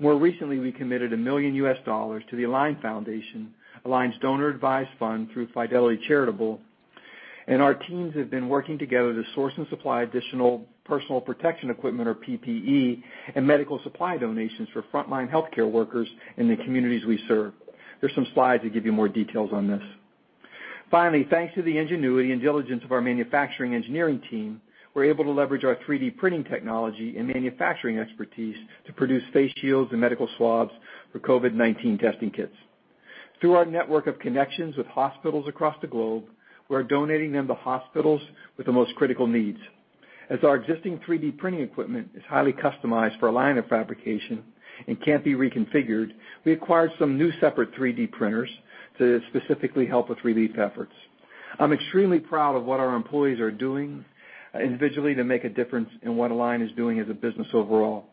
More recently, we committed $1 million to the Align Foundation, Align's donor-advised fund through Fidelity Charitable, and our teams have been working together to source and supply additional personal protection equipment, or PPE, and medical supply donations for frontline healthcare workers in the communities we serve. There's some slides that give you more details on this. Thanks to the ingenuity and diligence of our manufacturing engineering team, we're able to leverage our 3D printing technology and manufacturing expertise to produce face shields and medical swabs for COVID-19 testing kits. Through our network of connections with hospitals across the globe, we're donating them to hospitals with the most critical needs. As our existing 3D printing equipment is highly customized for Align fabrication and can't be reconfigured, we acquired some new separate 3D printers to specifically help with relief efforts. I'm extremely proud of what our employees are doing individually to make a difference in what Align is doing as a business overall.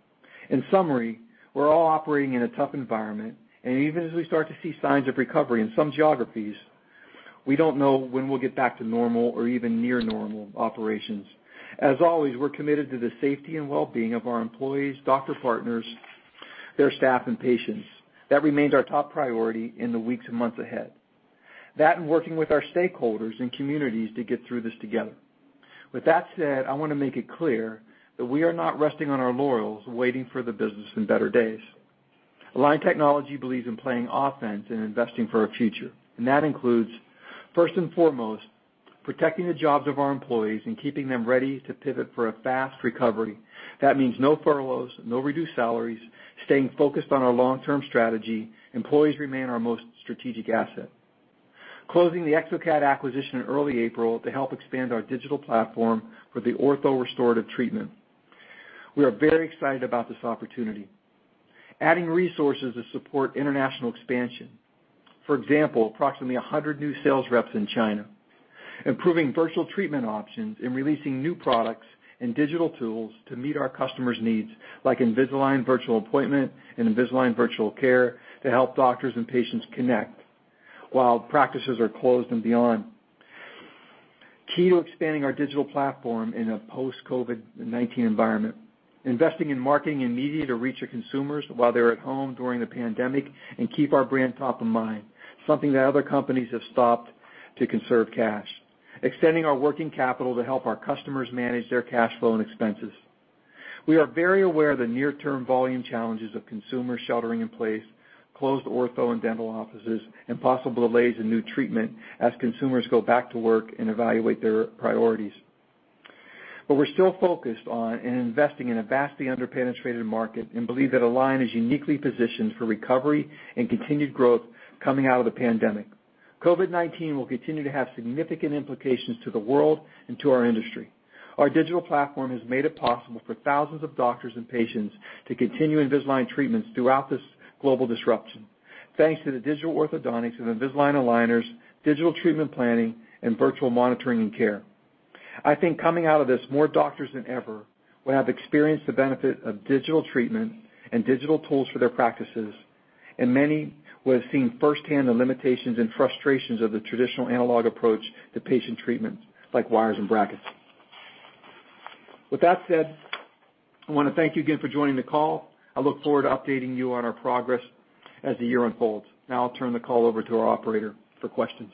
In summary, we're all operating in a tough environment, and even as we start to see signs of recovery in some geographies, we don't know when we'll get back to normal or even near normal operations. As always, we're committed to the safety and wellbeing of our employees, doctor partners, their staff, and patients. That remains our top priority in the weeks and months ahead. That and working with our stakeholders and communities to get through this together. With that said, I want to make it clear that we are not resting on our laurels waiting for the business and better days. Align Technology believes in playing offense and investing for our future, and that includes, first and foremost, protecting the jobs of our employees and keeping them ready to pivot for a fast recovery. That means no furloughs, no reduced salaries, staying focused on our long-term strategy. Employees remain our most strategic asset. Closing the exocad acquisition in early April to help expand our digital platform for the ortho restorative treatment. We are very excited about this opportunity. Adding resources to support international expansion. For example, approximately 100 new sales reps in China. Improving virtual treatment options and releasing new products and digital tools to meet our customers' needs, like Invisalign Virtual Appointment and Invisalign Virtual Care to help doctors and patients connect while practices are closed and beyond. Key to expanding our digital platform in a post COVID-19 environment. Investing in marketing and media to reach our consumers while they're at home during the pandemic and keep our brand top of mind, something that other companies have stopped to conserve cash. Extending our working capital to help our customers manage their cash flow and expenses. We are very aware of the near-term volume challenges of consumers sheltering in place, closed ortho and dental offices, and possible delays in new treatment as consumers go back to work and evaluate their priorities. We're still focused on and investing in a vastly under-penetrated market and believe that Align is uniquely positioned for recovery and continued growth coming out of the pandemic. COVID-19 will continue to have significant implications to the world and to our industry. Our digital platform has made it possible for thousands of doctors and patients to continue Invisalign treatments throughout this global disruption, thanks to the digital orthodontics of Invisalign aligners, digital treatment planning, and virtual monitoring and care. I think coming out of this, more doctors than ever will have experienced the benefit of digital treatment and digital tools for their practices, and many will have seen firsthand the limitations and frustrations of the traditional analog approach to patient treatment, like wires and brackets. With that said, I want to thank you again for joining the call. I look forward to updating you on our progress as the year unfolds. Now I'll turn the call over to our operator for questions.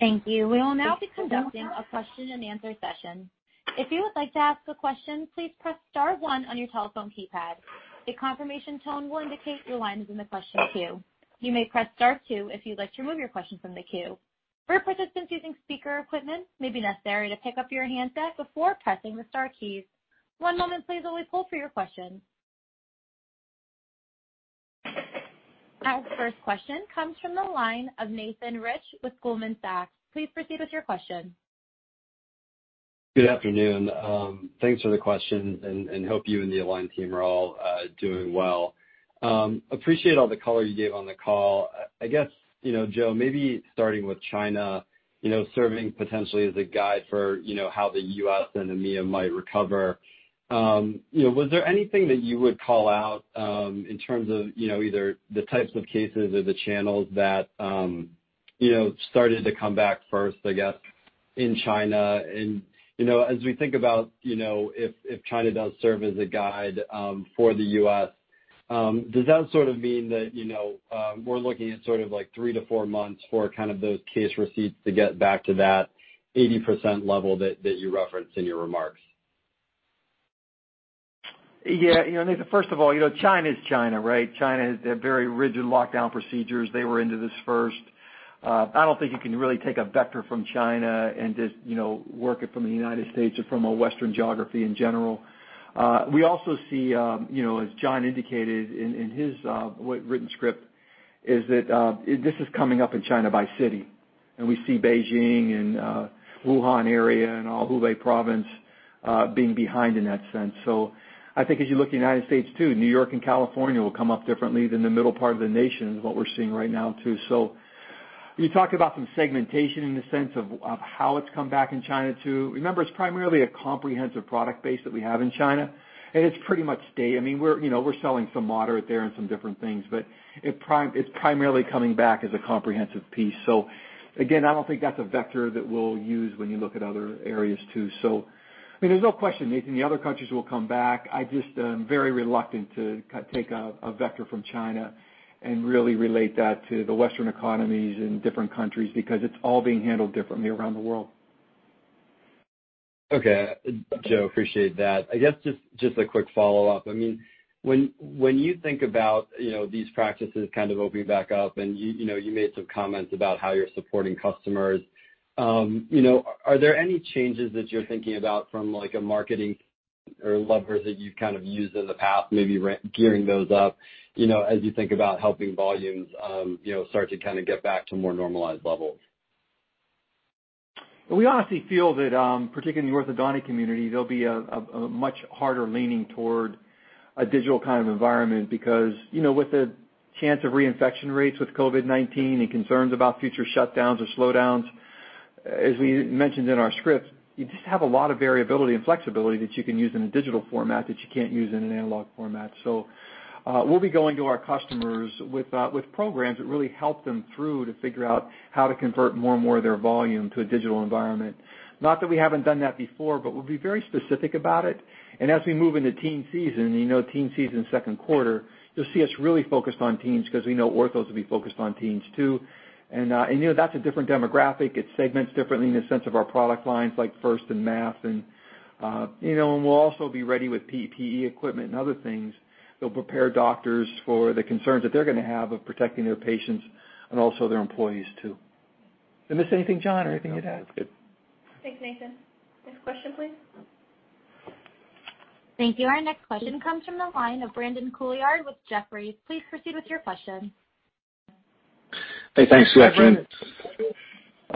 Thank you. We will now be conducting a question and answer session. If you would like to ask a question, please press star 1 on your telephone keypad. A confirmation tone will indicate your line is in the question queue. You may press star 2 if you'd like to remove your question from the queue. For participants using speaker equipment, it may be necessary to pick up your handset before pressing the star keys. One moment, please, while we pull for your question. Our first question comes from the line of Nathan Rich with Goldman Sachs. Please proceed with your question. Good afternoon. Thanks for the question, hope you and the Align team are all doing well. Appreciate all the color you gave on the call. I guess, Joe, maybe starting with China, serving potentially as a guide for how the U.S. and EMEA might recover. Was there anything that you would call out in terms of either the types of cases or the channels that started to come back first, I guess, in China? As we think about if China does serve as a guide for the U.S., does that sort of mean that we're looking at three to four months for those case receipts to get back to that 80% level that you referenced in your remarks? Yeah, Nathan, first of all, China's China, right? China had very rigid lockdown procedures. They were into this first. I don't think you can really take a vector from China and just work it from the U.S. or from a Western geography in general. We also see, as John indicated in his written script, is that this is coming up in China by city. We see Beijing and Wuhan area and Hubei province being behind in that sense. I think as you look at the U.S. too, N.Y. and California will come up differently than the middle part of the nation, is what we're seeing right now too. When you talk about some segmentation in the sense of how it's come back in China too, remember, it's primarily a Comprehensive product base that we have in China, and we're selling some Moderate there and some different things, but it's primarily coming back as a Comprehensive piece. Again, I don't think that's a vector that we'll use when you look at other areas too. There's no question, Nathan, the other countries will come back. I just am very reluctant to take a vector from China and really relate that to the Western economies and different countries, because it's all being handled differently around the world. Okay. Joe, appreciate that. I guess just a quick follow-up. When you think about these practices kind of opening back up, and you made some comments about how you're supporting customers. Are there any changes that you're thinking about from, like, a marketing or levers that you've kind of used in the past, maybe gearing those up, as you think about helping volumes start to kind of get back to more normalized levels? We honestly feel that, particularly in the orthodontic community, there'll be a much harder leaning toward a digital kind of environment because, with the chance of reinfection rates with COVID-19 and concerns about future shutdowns or slowdowns, as we mentioned in our script, you just have a lot of variability and flexibility that you can use in a digital format that you can't use in an analog format. We'll be going to our customers with programs that really help them through to figure out how to convert more and more of their volume to a digital environment. Not that we haven't done that before, but we'll be very specific about it. As we move into teen season, you know teen season, second quarter, you'll see us really focused on teens because we know orthos will be focused on teens too. That's a different demographic. It segments differently in the sense of our product lines, like First and Math, and we'll also be ready with PPE equipment and other things that'll prepare doctors for the concerns that they're going to have of protecting their patients and also their employees too. Did I miss anything, John, or anything you'd add? No, that's good. Thanks, Nathan. Next question, please. Thank you. Our next question comes from the line of Brandon Couillard with Jefferies. Please proceed with your question. Hey, thanks so much. Hi,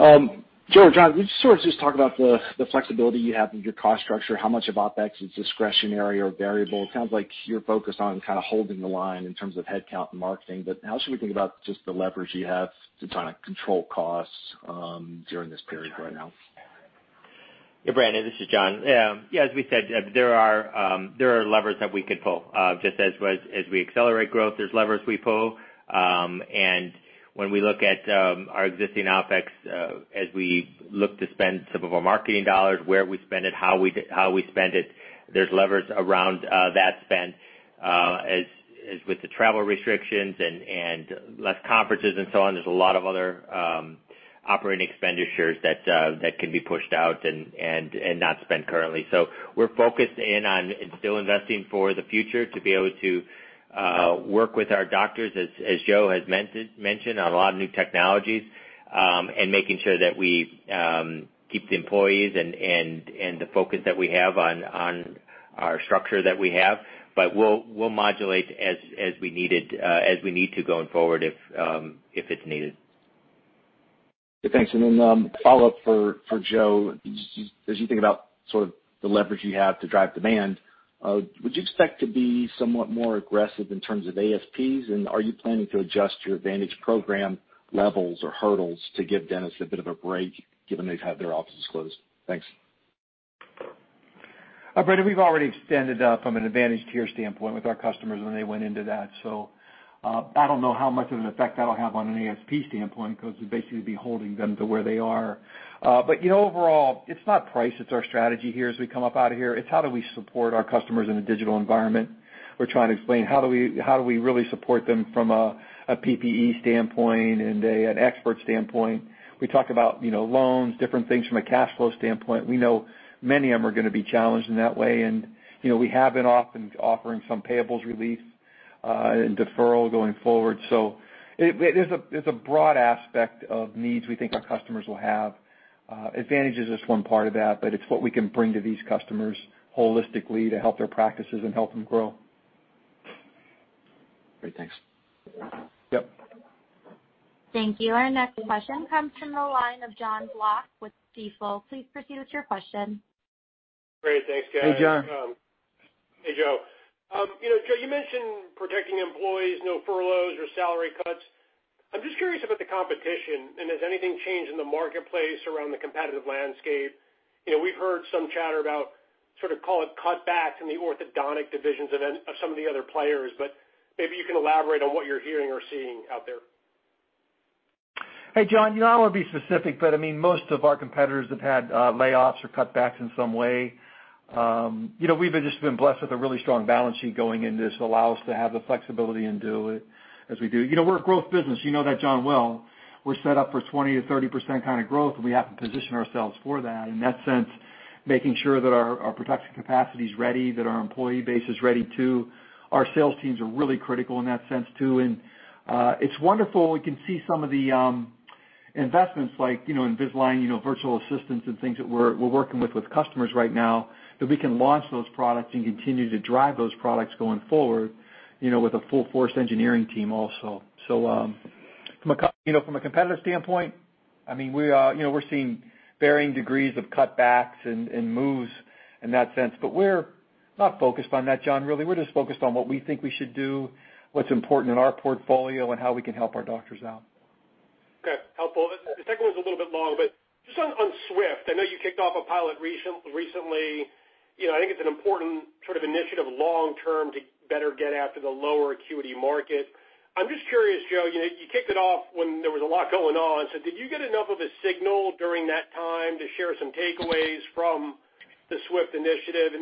Brandon. Joe or John, could you sort of just talk about the flexibility you have in your cost structure, how much of OpEx is discretionary or variable? It sounds like you're focused on kind of holding the line in terms of headcount and marketing, but how should we think about just the leverage you have to kind of control costs during this period right now? Hey, Brandon, this is John. As we said, there are levers that we could pull. As we accelerate growth, there's levers we pull. When we look at our existing OpEx, as we look to spend some of our marketing dollars, where we spend it, how we spend it, there's levers around that spend. As with the travel restrictions and less conferences and so on, there's a lot of other operating expenditures that can be pushed out and not spent currently. We're focused in on and still investing for the future to be able to work with our doctors, as Joe has mentioned, on a lot of new technologies, and making sure that we keep the employees and the focus that we have on our structure that we have. We'll modulate as we need to going forward if it's needed. Yeah, thanks. A follow-up for Joe. As you think about sort of the leverage you have to drive demand, would you expect to be somewhat more aggressive in terms of ASPs? Are you planning to adjust your advantage program levels or hurdles to give dentists a bit of a break given they've had their offices closed? Thanks. Brandon, we've already extended from an advantage tier standpoint with our customers when they went into that. I don't know how much of an effect that'll have on an ASP standpoint because we'd basically be holding them to where they are. Overall, it's not price, it's our strategy here as we come up out of here. It's how do we support our customers in a digital environment. We're trying to explain how do we really support them from a PPE standpoint and an expert standpoint. We talk about loans, different things from a cash flow standpoint. We know many of them are going to be challenged in that way, and we have been offering some payables relief and deferral going forward. There's a broad aspect of needs we think our customers will have. Advantage is just one part of that, but it's what we can bring to these customers holistically to help their practices and help them grow. Great. Thanks. Yep. Thank you. Our next question comes from the line of Jonathan Block with Stifel. Please proceed with your question. Great. Thanks, guys. Hey, John. Hey, Joe. Joe, you mentioned protecting employees, no furloughs or salary cuts. I'm just curious about the competition and has anything changed in the marketplace around the competitive landscape? We've heard some chatter about sort of, call it cutbacks in the orthodontic divisions of some of the other players, but maybe you can elaborate on what you're hearing or seeing out there. Hey, John. I don't want to be specific, most of our competitors have had layoffs or cutbacks in some way. We've just been blessed with a really strong balance sheet going into this to allow us to have the flexibility and do it as we do. We're a growth business. You know that, John, well. We're set up for 20%-30% kind of growth, we have to position ourselves for that. In that sense, making sure that our production capacity is ready, that our employee base is ready too. Our sales teams are really critical in that sense too. It's wonderful. We can see some of the investments like Invisalign virtual assistants and things that we're working with customers right now, that we can launch those products and continue to drive those products going forward, with a full force engineering team also. From a competitor standpoint, we're seeing varying degrees of cutbacks and moves in that sense. We're not focused on that, John, really. We're just focused on what we think we should do, what's important in our portfolio, and how we can help our doctors out. Okay, helpful. The second one's a little bit long, but just on Swift, I know you kicked off a pilot recently. I think it's an important sort of initiative long term to better get after the lower acuity market. I'm just curious, Joe, you kicked it off when there was a lot going on, so did you get enough of a signal during that time to share some takeaways from the Swift initiative?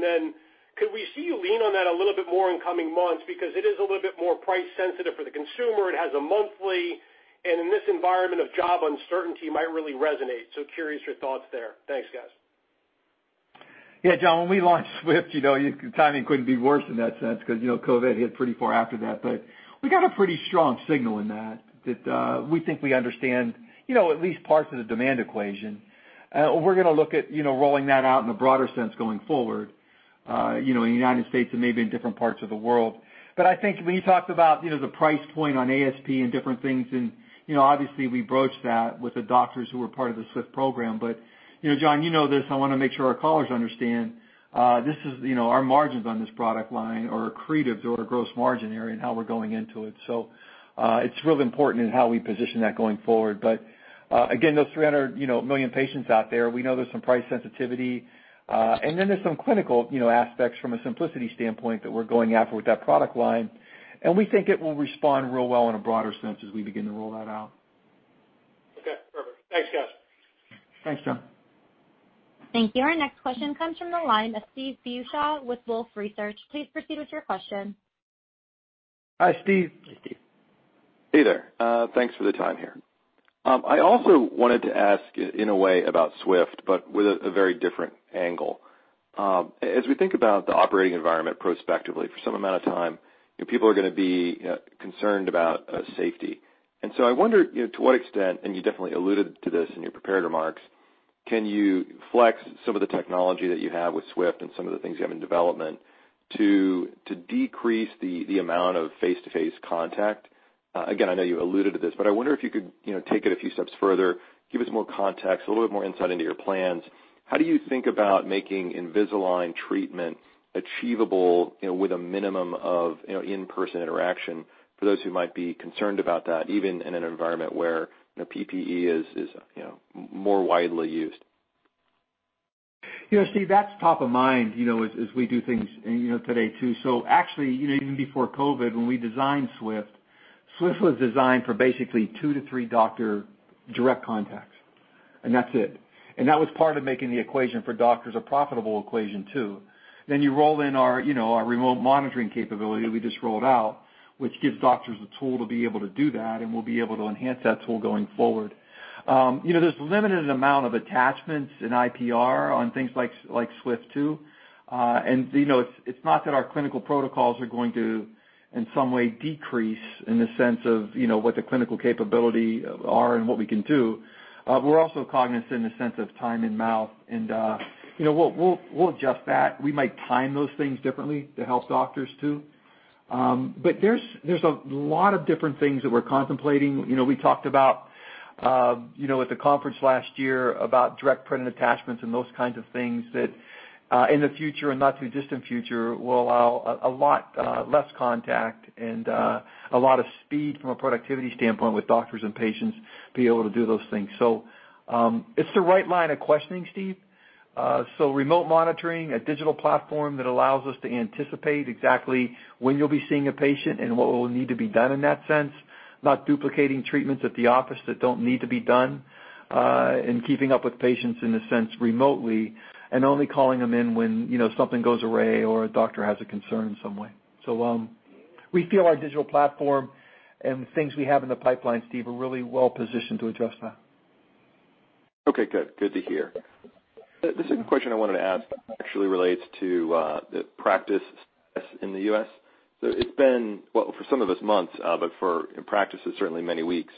Could we see you lean on that a little bit more in coming months? It is a little bit more price sensitive for the consumer, it has a monthly, and in this environment of job uncertainty, might really resonate. Curious your thoughts there. Thanks, guys. Yeah, John, when we launched Swift, the timing couldn't be worse in that sense because COVID-19 hit pretty far after that. We got a pretty strong signal in that we think we understand at least parts of the demand equation. We're going to look at rolling that out in a broader sense going forward, in the United States and maybe in different parts of the world. I think when you talked about the price point on ASP and different things, and obviously we broached that with the doctors who were part of the Swift program. John, you know this, I want to make sure our callers understand, our margins on this product line are accretive to our gross margin area and how we're going into it. It's real important in how we position that going forward. Again, those 300 million patients out there, we know there's some price sensitivity. Then there's some clinical aspects from a simplicity standpoint that we're going after with that product line, and we think it will respond real well in a broader sense as we begin to roll that out. Okay, perfect. Thanks, guys. Thanks, John. Thank you. Our next question comes from the line of Steve Valiquette with Wolfe Research. Please proceed with your question. Hi, Steve. Hi, Steve. Hey there. Thanks for the time here. I also wanted to ask, in a way, about Swift, but with a very different angle. As we think about the operating environment prospectively for some amount of time, people are going to be concerned about safety. I wonder to what extent, and you definitely alluded to this in your prepared remarks, can you flex some of the technology that you have with Swift and some of the things you have in development to decrease the amount of face-to-face contact? I know you alluded to this, but I wonder if you could take it a few steps further, give us more context, a little bit more insight into your plans. How do you think about making Invisalign treatment achievable with a minimum of in-person interaction for those who might be concerned about that, even in an environment where PPE is more widely used? Steve, that's top of mind as we do things today, too. Actually, even before COVID, when we designed Swift was designed for basically two to three doctor direct contacts, and that's it. That was part of making the equation for doctors a profitable equation, too. You roll in our remote monitoring capability we just rolled out, which gives doctors a tool to be able to do that, and we'll be able to enhance that tool going forward. There's a limited amount of attachments in IPR on things like Swift, too. It's not that our clinical protocols are going to, in some way, decrease in the sense of what the clinical capability are and what we can do. We're also cognizant in the sense of time in mouth, and we'll adjust that. We might time those things differently to help doctors, too. There's a lot of different things that we're contemplating. We talked about, at the conference last year, about direct printed attachments and those kinds of things that, in the future, and not too distant future, will allow a lot less contact and a lot of speed from a productivity standpoint with doctors and patients to be able to do those things. It's the right line of questioning, Steve. Remote monitoring, a digital platform that allows us to anticipate exactly when you'll be seeing a patient and what will need to be done in that sense, not duplicating treatments at the office that don't need to be done, and keeping up with patients in the sense remotely and only calling them in when something goes awry or a doctor has a concern in some way. We feel our digital platform and the things we have in the pipeline, Steve, are really well positioned to address that. Okay, good. Good to hear. The second question I wanted to ask actually relates to the practice status in the U.S. It's been, well, for some of us, months, but for practices, certainly many weeks.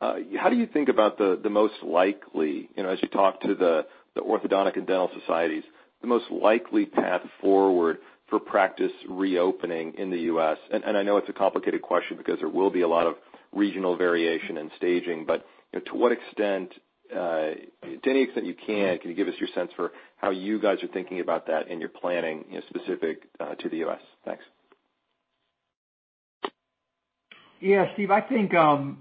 How do you think about the most likely, as you talk to the orthodontic and dental societies, the most likely path forward for practice reopening in the U.S.? I know it's a complicated question because there will be a lot of regional variation and staging, but to any extent you can you give us your sense for how you guys are thinking about that in your planning specific to the U.S.? Thanks. Yeah, Steve, I think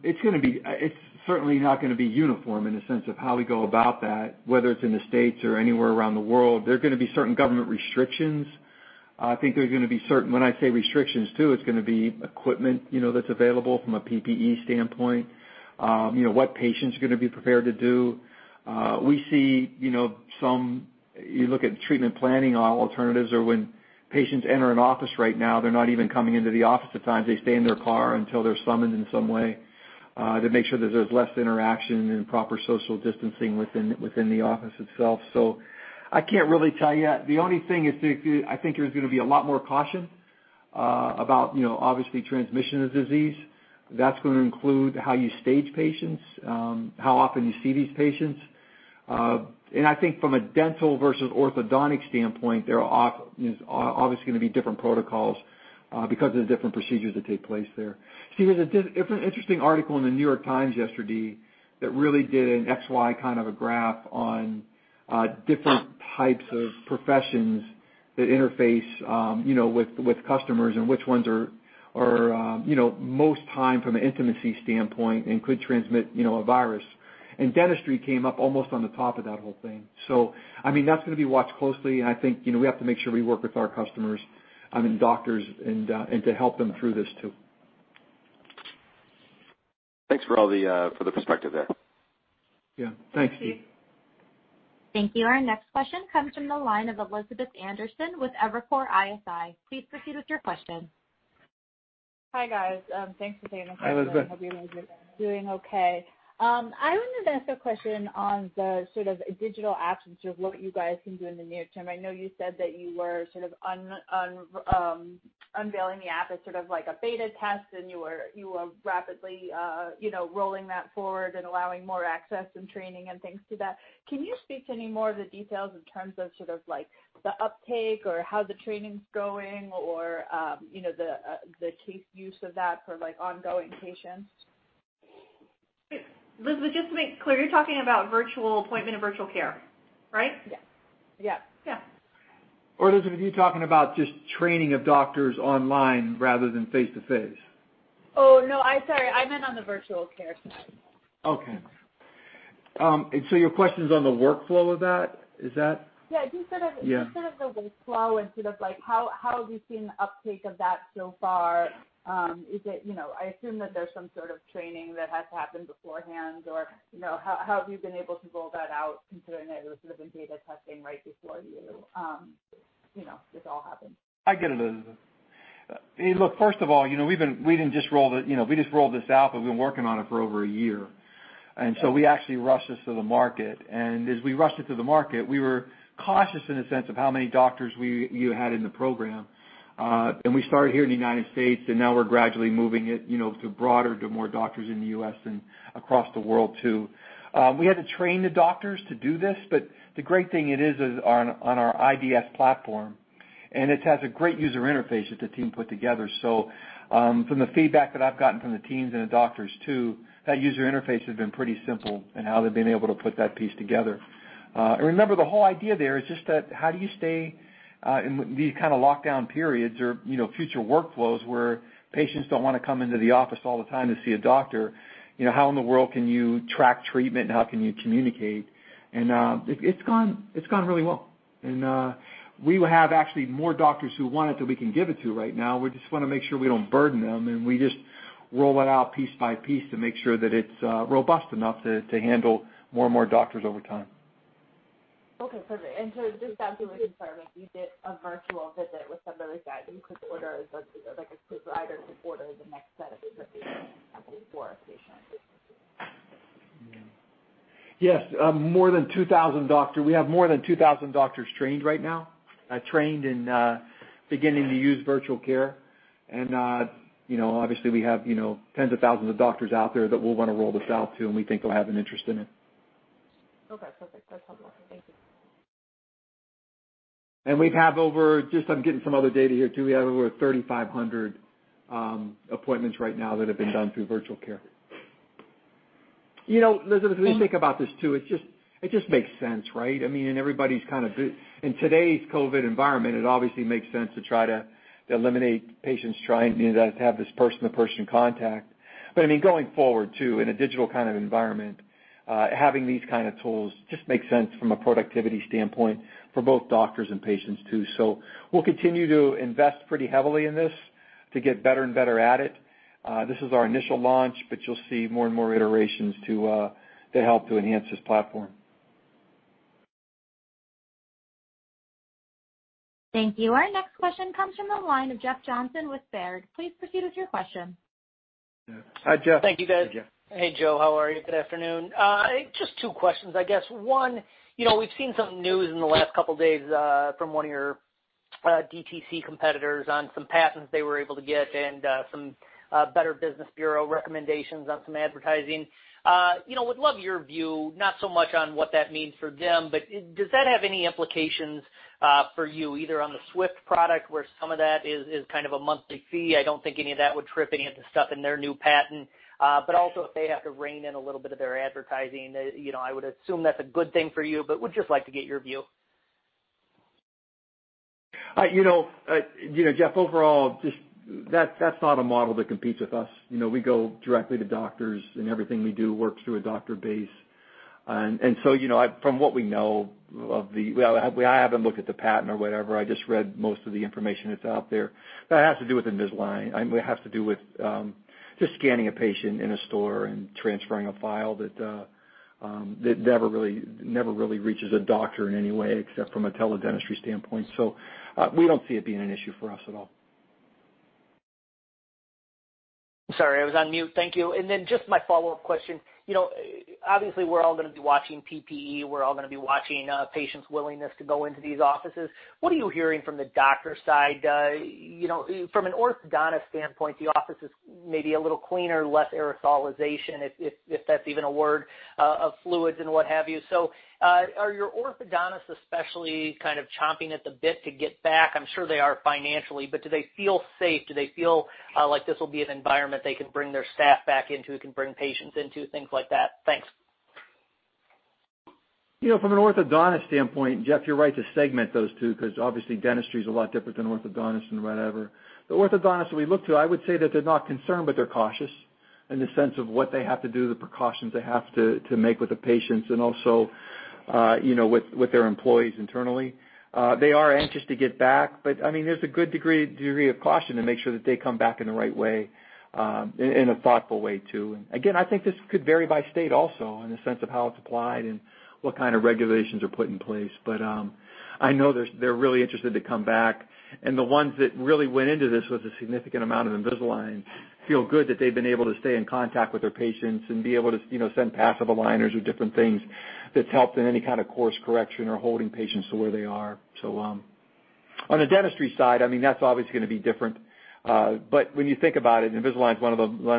it's certainly not going to be uniform in the sense of how we go about that, whether it's in the U.S. or anywhere around the world. There are going to be certain government restrictions. I think there are going to be certain When I say restrictions, too, it's going to be equipment that's available from a PPE standpoint. What patients are going to be prepared to do. We see some, you look at treatment planning alternatives or when patients enter an office right now, they're not even coming into the office. At times, they stay in their car until they're summoned in some way, to make sure that there's less interaction and proper social distancing within the office itself. I can't really tell you. The only thing is, I think there's going to be a lot more caution about, obviously, transmission of disease. That's going to include how you stage patients, how often you see these patients. I think from a dental versus orthodontic standpoint, there are obviously going to be different protocols because of the different procedures that take place there. See, there's an interesting article in The New York Times yesterday that really did an X, Y kind of a graph on different types of professions that interface with customers and which ones are most time from an intimacy standpoint and could transmit a virus. Dentistry came up almost on the top of that whole thing. That's going to be watched closely, and I think we have to make sure we work with our customers, I mean, doctors, and to help them through this too. Thanks for the perspective there. Yeah. Thanks, Steve. Thank you. Our next question comes from the line of Elizabeth Anderson with Evercore ISI. Please proceed with your question. Hi, guys. Thanks for taking my call. Hi, Elizabeth. I hope you guys are doing okay. I wanted to ask a question on the sort of digital apps and sort of what you guys can do in the near term. I know you said that you were sort of unveiling the app as sort of like a beta test, and you were rapidly rolling that forward and allowing more access and training and things to that. Can you speak to any more of the details in terms of sort of the uptake or how the training's going or the case use of that for ongoing patients? Elizabeth, just to make clear, you're talking about virtual appointment and virtual care, right? Yes. Yeah. Elizabeth, are you talking about just training of doctors online rather than face-to-face? Oh, no. Sorry, I meant on the Virtual Care side. Okay. Your question's on the workflow of that? Yeah. Yeah just sort of the workflow and sort of how have you seen the uptake of that so far? I assume that there's some sort of training that has to happen beforehand, or how have you been able to roll that out, considering that it was sort of in beta testing right before this all happened? I get it, Elizabeth. Look, first of all, we just rolled this out, but we've been working on it for over a year. We actually rushed this to the market. As we rushed it to the market, we were cautious in a sense of how many doctors you had in the program. We started here in the United States, and now we're gradually moving it to broader, to more doctors in the U.S. and across the world, too. We had to train the doctors to do this, but the great thing it is is on our IDS platform, and it has a great user interface that the team put together. From the feedback that I've gotten from the teams and the doctors, too, that user interface has been pretty simple in how they've been able to put that piece together. Remember, the whole idea there is just that how do you stay in these kind of lockdown periods or future workflows where patients don't want to come into the office all the time to see a doctor, how in the world can you track treatment? How can you communicate? It's gone really well. We have actually more doctors who want it than we can give it to right now. We just want to make sure we don't burden them, and we just roll it out piece by piece to make sure that it's robust enough to handle more and more doctors over time. Okay, perfect. Just out of curiosity, you did a virtual visit with somebody that you could order, like a provider could order the next set of treatments, I believe, for a patient. Yes. We have more than 2,000 doctors trained right now, trained and beginning to use Invisalign Virtual Care. Obviously we have tens of thousands of doctors out there that we'll want to roll this out to, and we think will have an interest in it. Okay, perfect. That's helpful. Thank you. We have over 3,500 appointments right now that have been done through virtual care. Elizabeth, when you think about this too, it just makes sense, right? I mean, in today's COVID-19 environment, it obviously makes sense to try to eliminate patients trying to have this person-to-person contact. I mean, going forward, too, in a digital kind of environment, having these kind of tools just makes sense from a productivity standpoint for both doctors and patients, too. We'll continue to invest pretty heavily in this to get better and better at it. This is our initial launch, but you'll see more and more iterations to help to enhance this platform. Thank you. Our next question comes from the line of Jeff Johnson with Baird. Please proceed with your question. Hi, Jeff. Hi, Jeff. Hey, Jeff. Hi, Jeff. Hi, Jeff. Hey, Jeff. Hey, Jeff. Hey, Jeff. How are you? Good afternoon. Just two questions. I guess one, we've seen some news in the last couple days from one of your DTC competitors on some patents they were able to get and some Better Business Bureau recommendations on some advertising. Would love your view, not so much on what that means for them, but does that have any implications for you, either on the Swift product where some of that is kind of a monthly fee? I don't think any of that would trip any of the stuff in their new patent. Also if they have to rein in a little bit of their advertising, I would assume that's a good thing for you, but would just like to get your view. Jeff, overall, that's not a model that competes with us. We go directly to doctors, and everything we do works through a doctor base. From what we know of the Well, I haven't looked at the patent or whatever. I just read most of the information that's out there. It has to do with Invisalign. It has to do with just scanning a patient in a store and transferring a file that never really reaches a doctor in any way except from a tele-dentistry standpoint. We don't see it being an issue for us at all. Sorry, I was on mute. Thank you. Just my follow-up question. Obviously, we're all going to be watching PPE, we're all going to be watching patients' willingness to go into these offices. What are you hearing from the doctor side? From an orthodontist standpoint, the office is maybe a little cleaner, less aerosolization, if that's even a word, of fluids and what have you. Are your orthodontists especially kind of chomping at the bit to get back? I'm sure they are financially, but do they feel safe? Do they feel like this will be an environment they can bring their staff back into, they can bring patients into, things like that? Thanks. From an orthodontist standpoint, Jeff, you're right to segment those two, because obviously dentistry is a lot different than orthodontist and whatever. The orthodontists that we look to, I would say that they're not concerned, but they're cautious in the sense of what they have to do, the precautions they have to make with the patients and also, with their employees internally. They are anxious to get back, but there's a good degree of caution to make sure that they come back in the right way, in a thoughtful way, too. Again, I think this could vary by state also, in the sense of how it's applied and what kind of regulations are put in place. I know they're really interested to come back. The ones that really went into this with a significant amount of Invisalign feel good that they've been able to stay in contact with their patients and be able to send passive aligners or different things that's helped in any kind of course correction or holding patients to where they are. On the dentistry side, that's obviously going to be different. When you think about it, Invisalign is one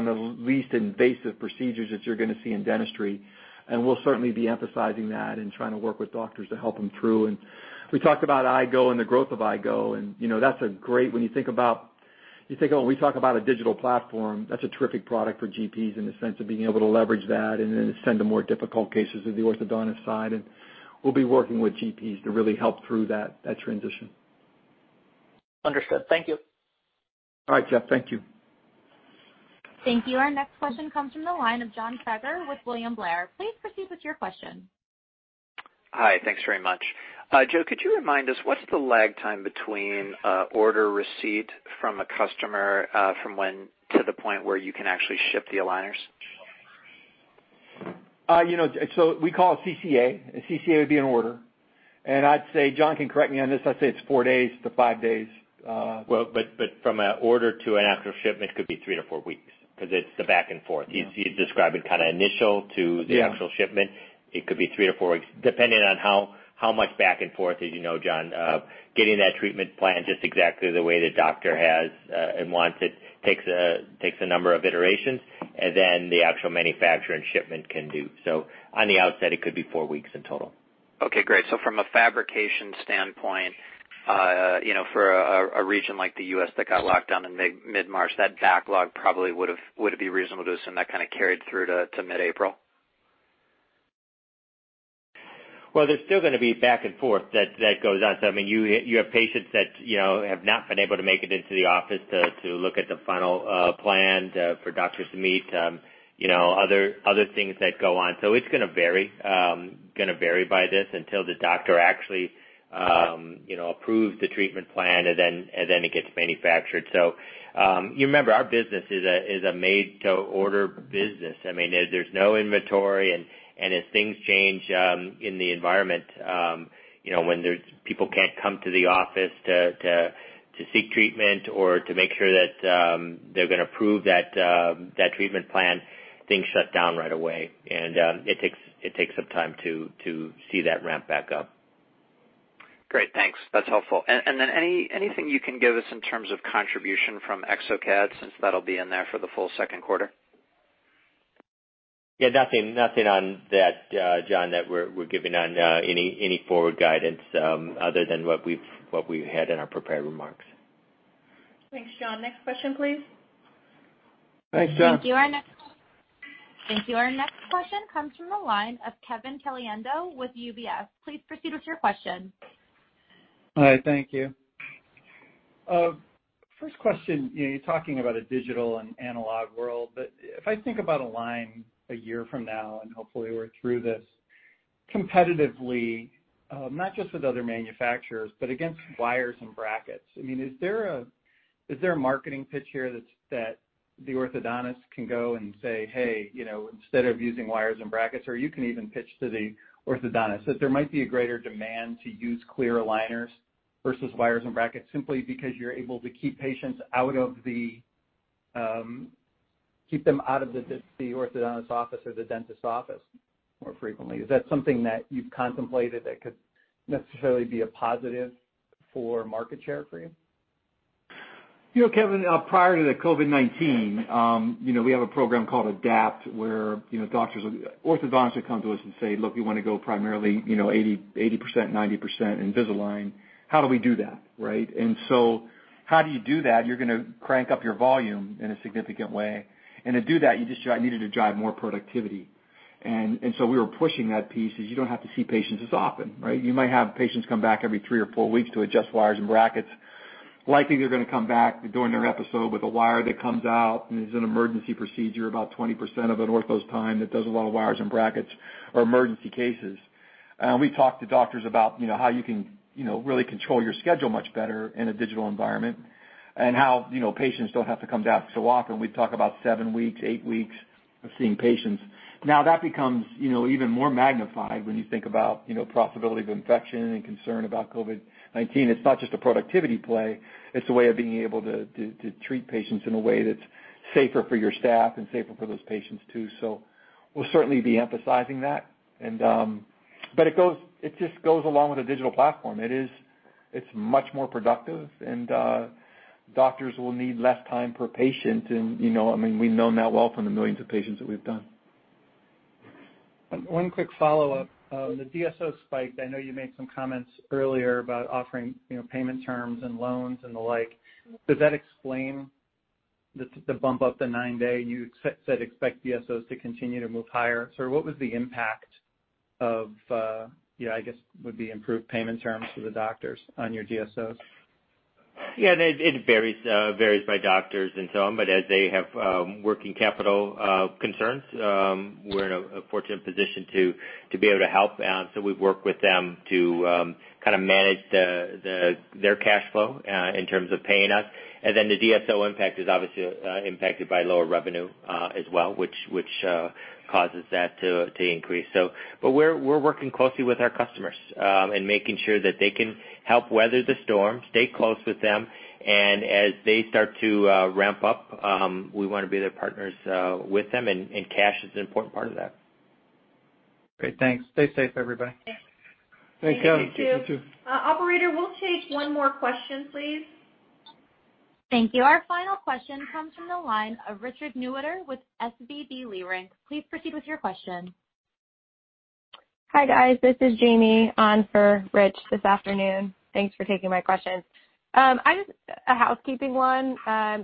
of the least invasive procedures that you're going to see in dentistry, and we'll certainly be emphasizing that and trying to work with doctors to help them through. We talked about iGO and the growth of iGO, and when you think about a digital platform, that's a terrific product for GPs in the sense of being able to leverage that and then send the more difficult cases to the orthodontist side. We'll be working with GPs to really help through that transition. Understood. Thank you. All right, Jeff. Thank you. Thank you. Our next question comes from the line of John Kreger with William Blair. Please proceed with your question. Hi. Thanks very much. Joe, could you remind us, what's the lag time between order receipt from a customer from when to the point where you can actually ship the aligners? We call it CCA. A CCA would be an order. John can correct me on this, I'd say it's four days to five days. Well, from an order to an actual shipment, could be three to four weeks, because it's the back and forth. He's describing kind of initial to the actual shipment. It could be three to four weeks, depending on how much back and forth, as you know, John. Getting that treatment plan just exactly the way the doctor has and wants it, takes a number of iterations, then the actual manufacture and shipment can do. On the outset, it could be four weeks in total. Okay, great. From a fabrication standpoint, for a region like the U.S. that got locked down in mid-March, that backlog probably would it be reasonable to assume that kind of carried through to mid-April? Well, there's still going to be back and forth that goes on. You have patients that have not been able to make it into the office to look at the final plan, for doctors to meet, other things that go on. It's going to vary by this until the doctor actually approves the treatment plan and then it gets manufactured. You remember, our business is a made-to-order business. There's no inventory, and as things change in the environment, when people can't come to the office to seek treatment or to make sure that they're going to approve that treatment plan, things shut down right away. It takes some time to see that ramp back up. Great. Thanks. That's helpful. Anything you can give us in terms of contribution from exocad, since that'll be in there for the full second quarter? Yeah, nothing on that, John, that we're giving on any forward guidance other than what we had in our prepared remarks. Thanks, John. Next question, please. Thanks, John. Thank you. Our next question comes from the line of Kevin Caliendo with UBS. Please proceed with your question. Hi. Thank you. First question, you're talking about a digital and analog world, but if I think about Align a year from now, and hopefully we're through this, competitively, not just with other manufacturers, but against wires and brackets. Is there a marketing pitch here that the orthodontist can go and say, "Hey," instead of using wires and brackets, or you can even pitch to the orthodontist that there might be a greater demand to use clear aligners versus wires and brackets simply because you're able to keep patients out of the orthodontist office or the dentist office more frequently. Is that something that you've contemplated that could necessarily be a positive for market share for you? Kevin, prior to the COVID-19, we have a program called ADAPT, where orthodontists would come to us and say, "Look, we want to go primarily 80%, 90% Invisalign. How do we do that?" Right? How do you do that? You're going to crank up your volume in a significant way. To do that, you just needed to drive more productivity. We were pushing that piece, because you don't have to see patients as often, right? You might have patients come back every three or four weeks to adjust wires and brackets. Likely, they're going to come back during their episode with a wire that comes out, and it's an emergency procedure. About 20% of an ortho's time that does a lot of wires and brackets are emergency cases. We talked to doctors about how you can really control your schedule much better in a digital environment and how patients don't have to come back so often. We talk about 7 weeks, 8 weeks of seeing patients. That becomes even more magnified when you think about possibility of infection and concern about COVID-19. It's not just a productivity play, it's a way of being able to treat patients in a way that's safer for your staff and safer for those patients too. We'll certainly be emphasizing that. It just goes along with the digital platform. It's much more productive and doctors will need less time per patient. We've known that well from the millions of patients that we've done. One quick follow-up. The DSO spiked. I know you made some comments earlier about offering payment terms and loans and the like. Does that explain the bump up to nine-day? You said expect DSOs to continue to move higher. What was the impact of, I guess, would be improved payment terms for the doctors on your DSOs? Yeah. It varies by doctors and so on. As they have working capital concerns, we're in a fortunate position to be able to help. We work with them to kind of manage their cash flow in terms of paying us. The DSO impact is obviously impacted by lower revenue as well, which causes that to increase. We're working closely with our customers and making sure that they can help weather the storm, stay close with them, and as they start to ramp up, we want to be their partners with them, and cash is an important part of that. Great. Thanks. Stay safe, everybody. Thanks. Thanks, Kevin. You too. Thank you. Operator, we'll take one more question, please. Thank you. Our final question comes from the line of Richard Newitter with SVB Leerink. Please proceed with your question. Hi, guys. This is Jamie on for Rich this afternoon. Thanks for taking my questions. Just a housekeeping one.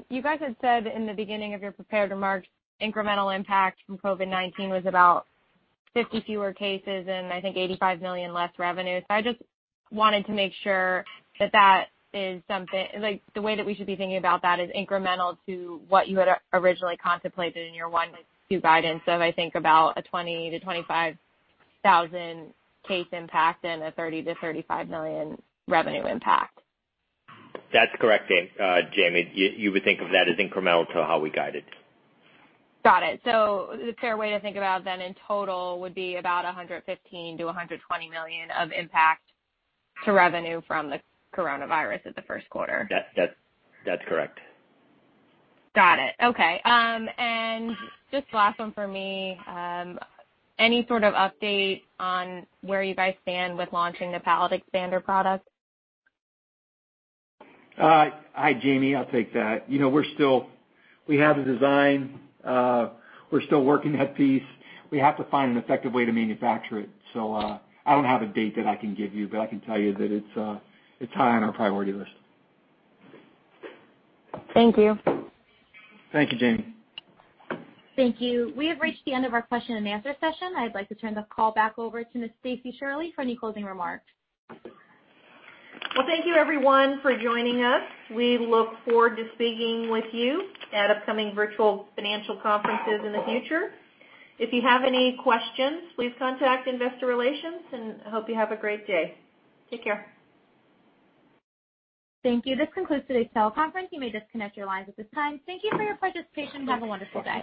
You guys had said in the beginning of your prepared remarks, incremental impact from COVID-19 was about 50 fewer cases and I think $85 million less revenue. I just wanted to make sure that the way that we should be thinking about that is incremental to what you had originally contemplated in your 2022 guidance of, I think, about a 20,000-25,000 case impact and a $30 million-$35 million revenue impact. That's correct, Jamie. You would think of that as incremental to how we guided. Got it. The fair way to think about then in total would be about $115 million to $120 million of impact to revenue from the coronavirus at the first quarter. That's correct. Got it. Okay. Just last one from me. Any sort of update on where you guys stand with launching the palate expander product? Hi, Jamie, I'll take that. We have the design. We're still working that piece. We have to find an effective way to manufacture it. I don't have a date that I can give you, but I can tell you that it's high on our priority list. Thank you. Thank you, Jamie. Thank you. We have reached the end of our question and answer session. I'd like to turn the call back over to Ms. Stacey Shirley for any closing remarks. Well, thank you everyone for joining us. We look forward to speaking with you at upcoming virtual financial conferences in the future. If you have any questions, please contact investor relations, and hope you have a great day. Take care. Thank you. This concludes today's teleconference. You may disconnect your lines at this time. Thank you for your participation and have a wonderful day.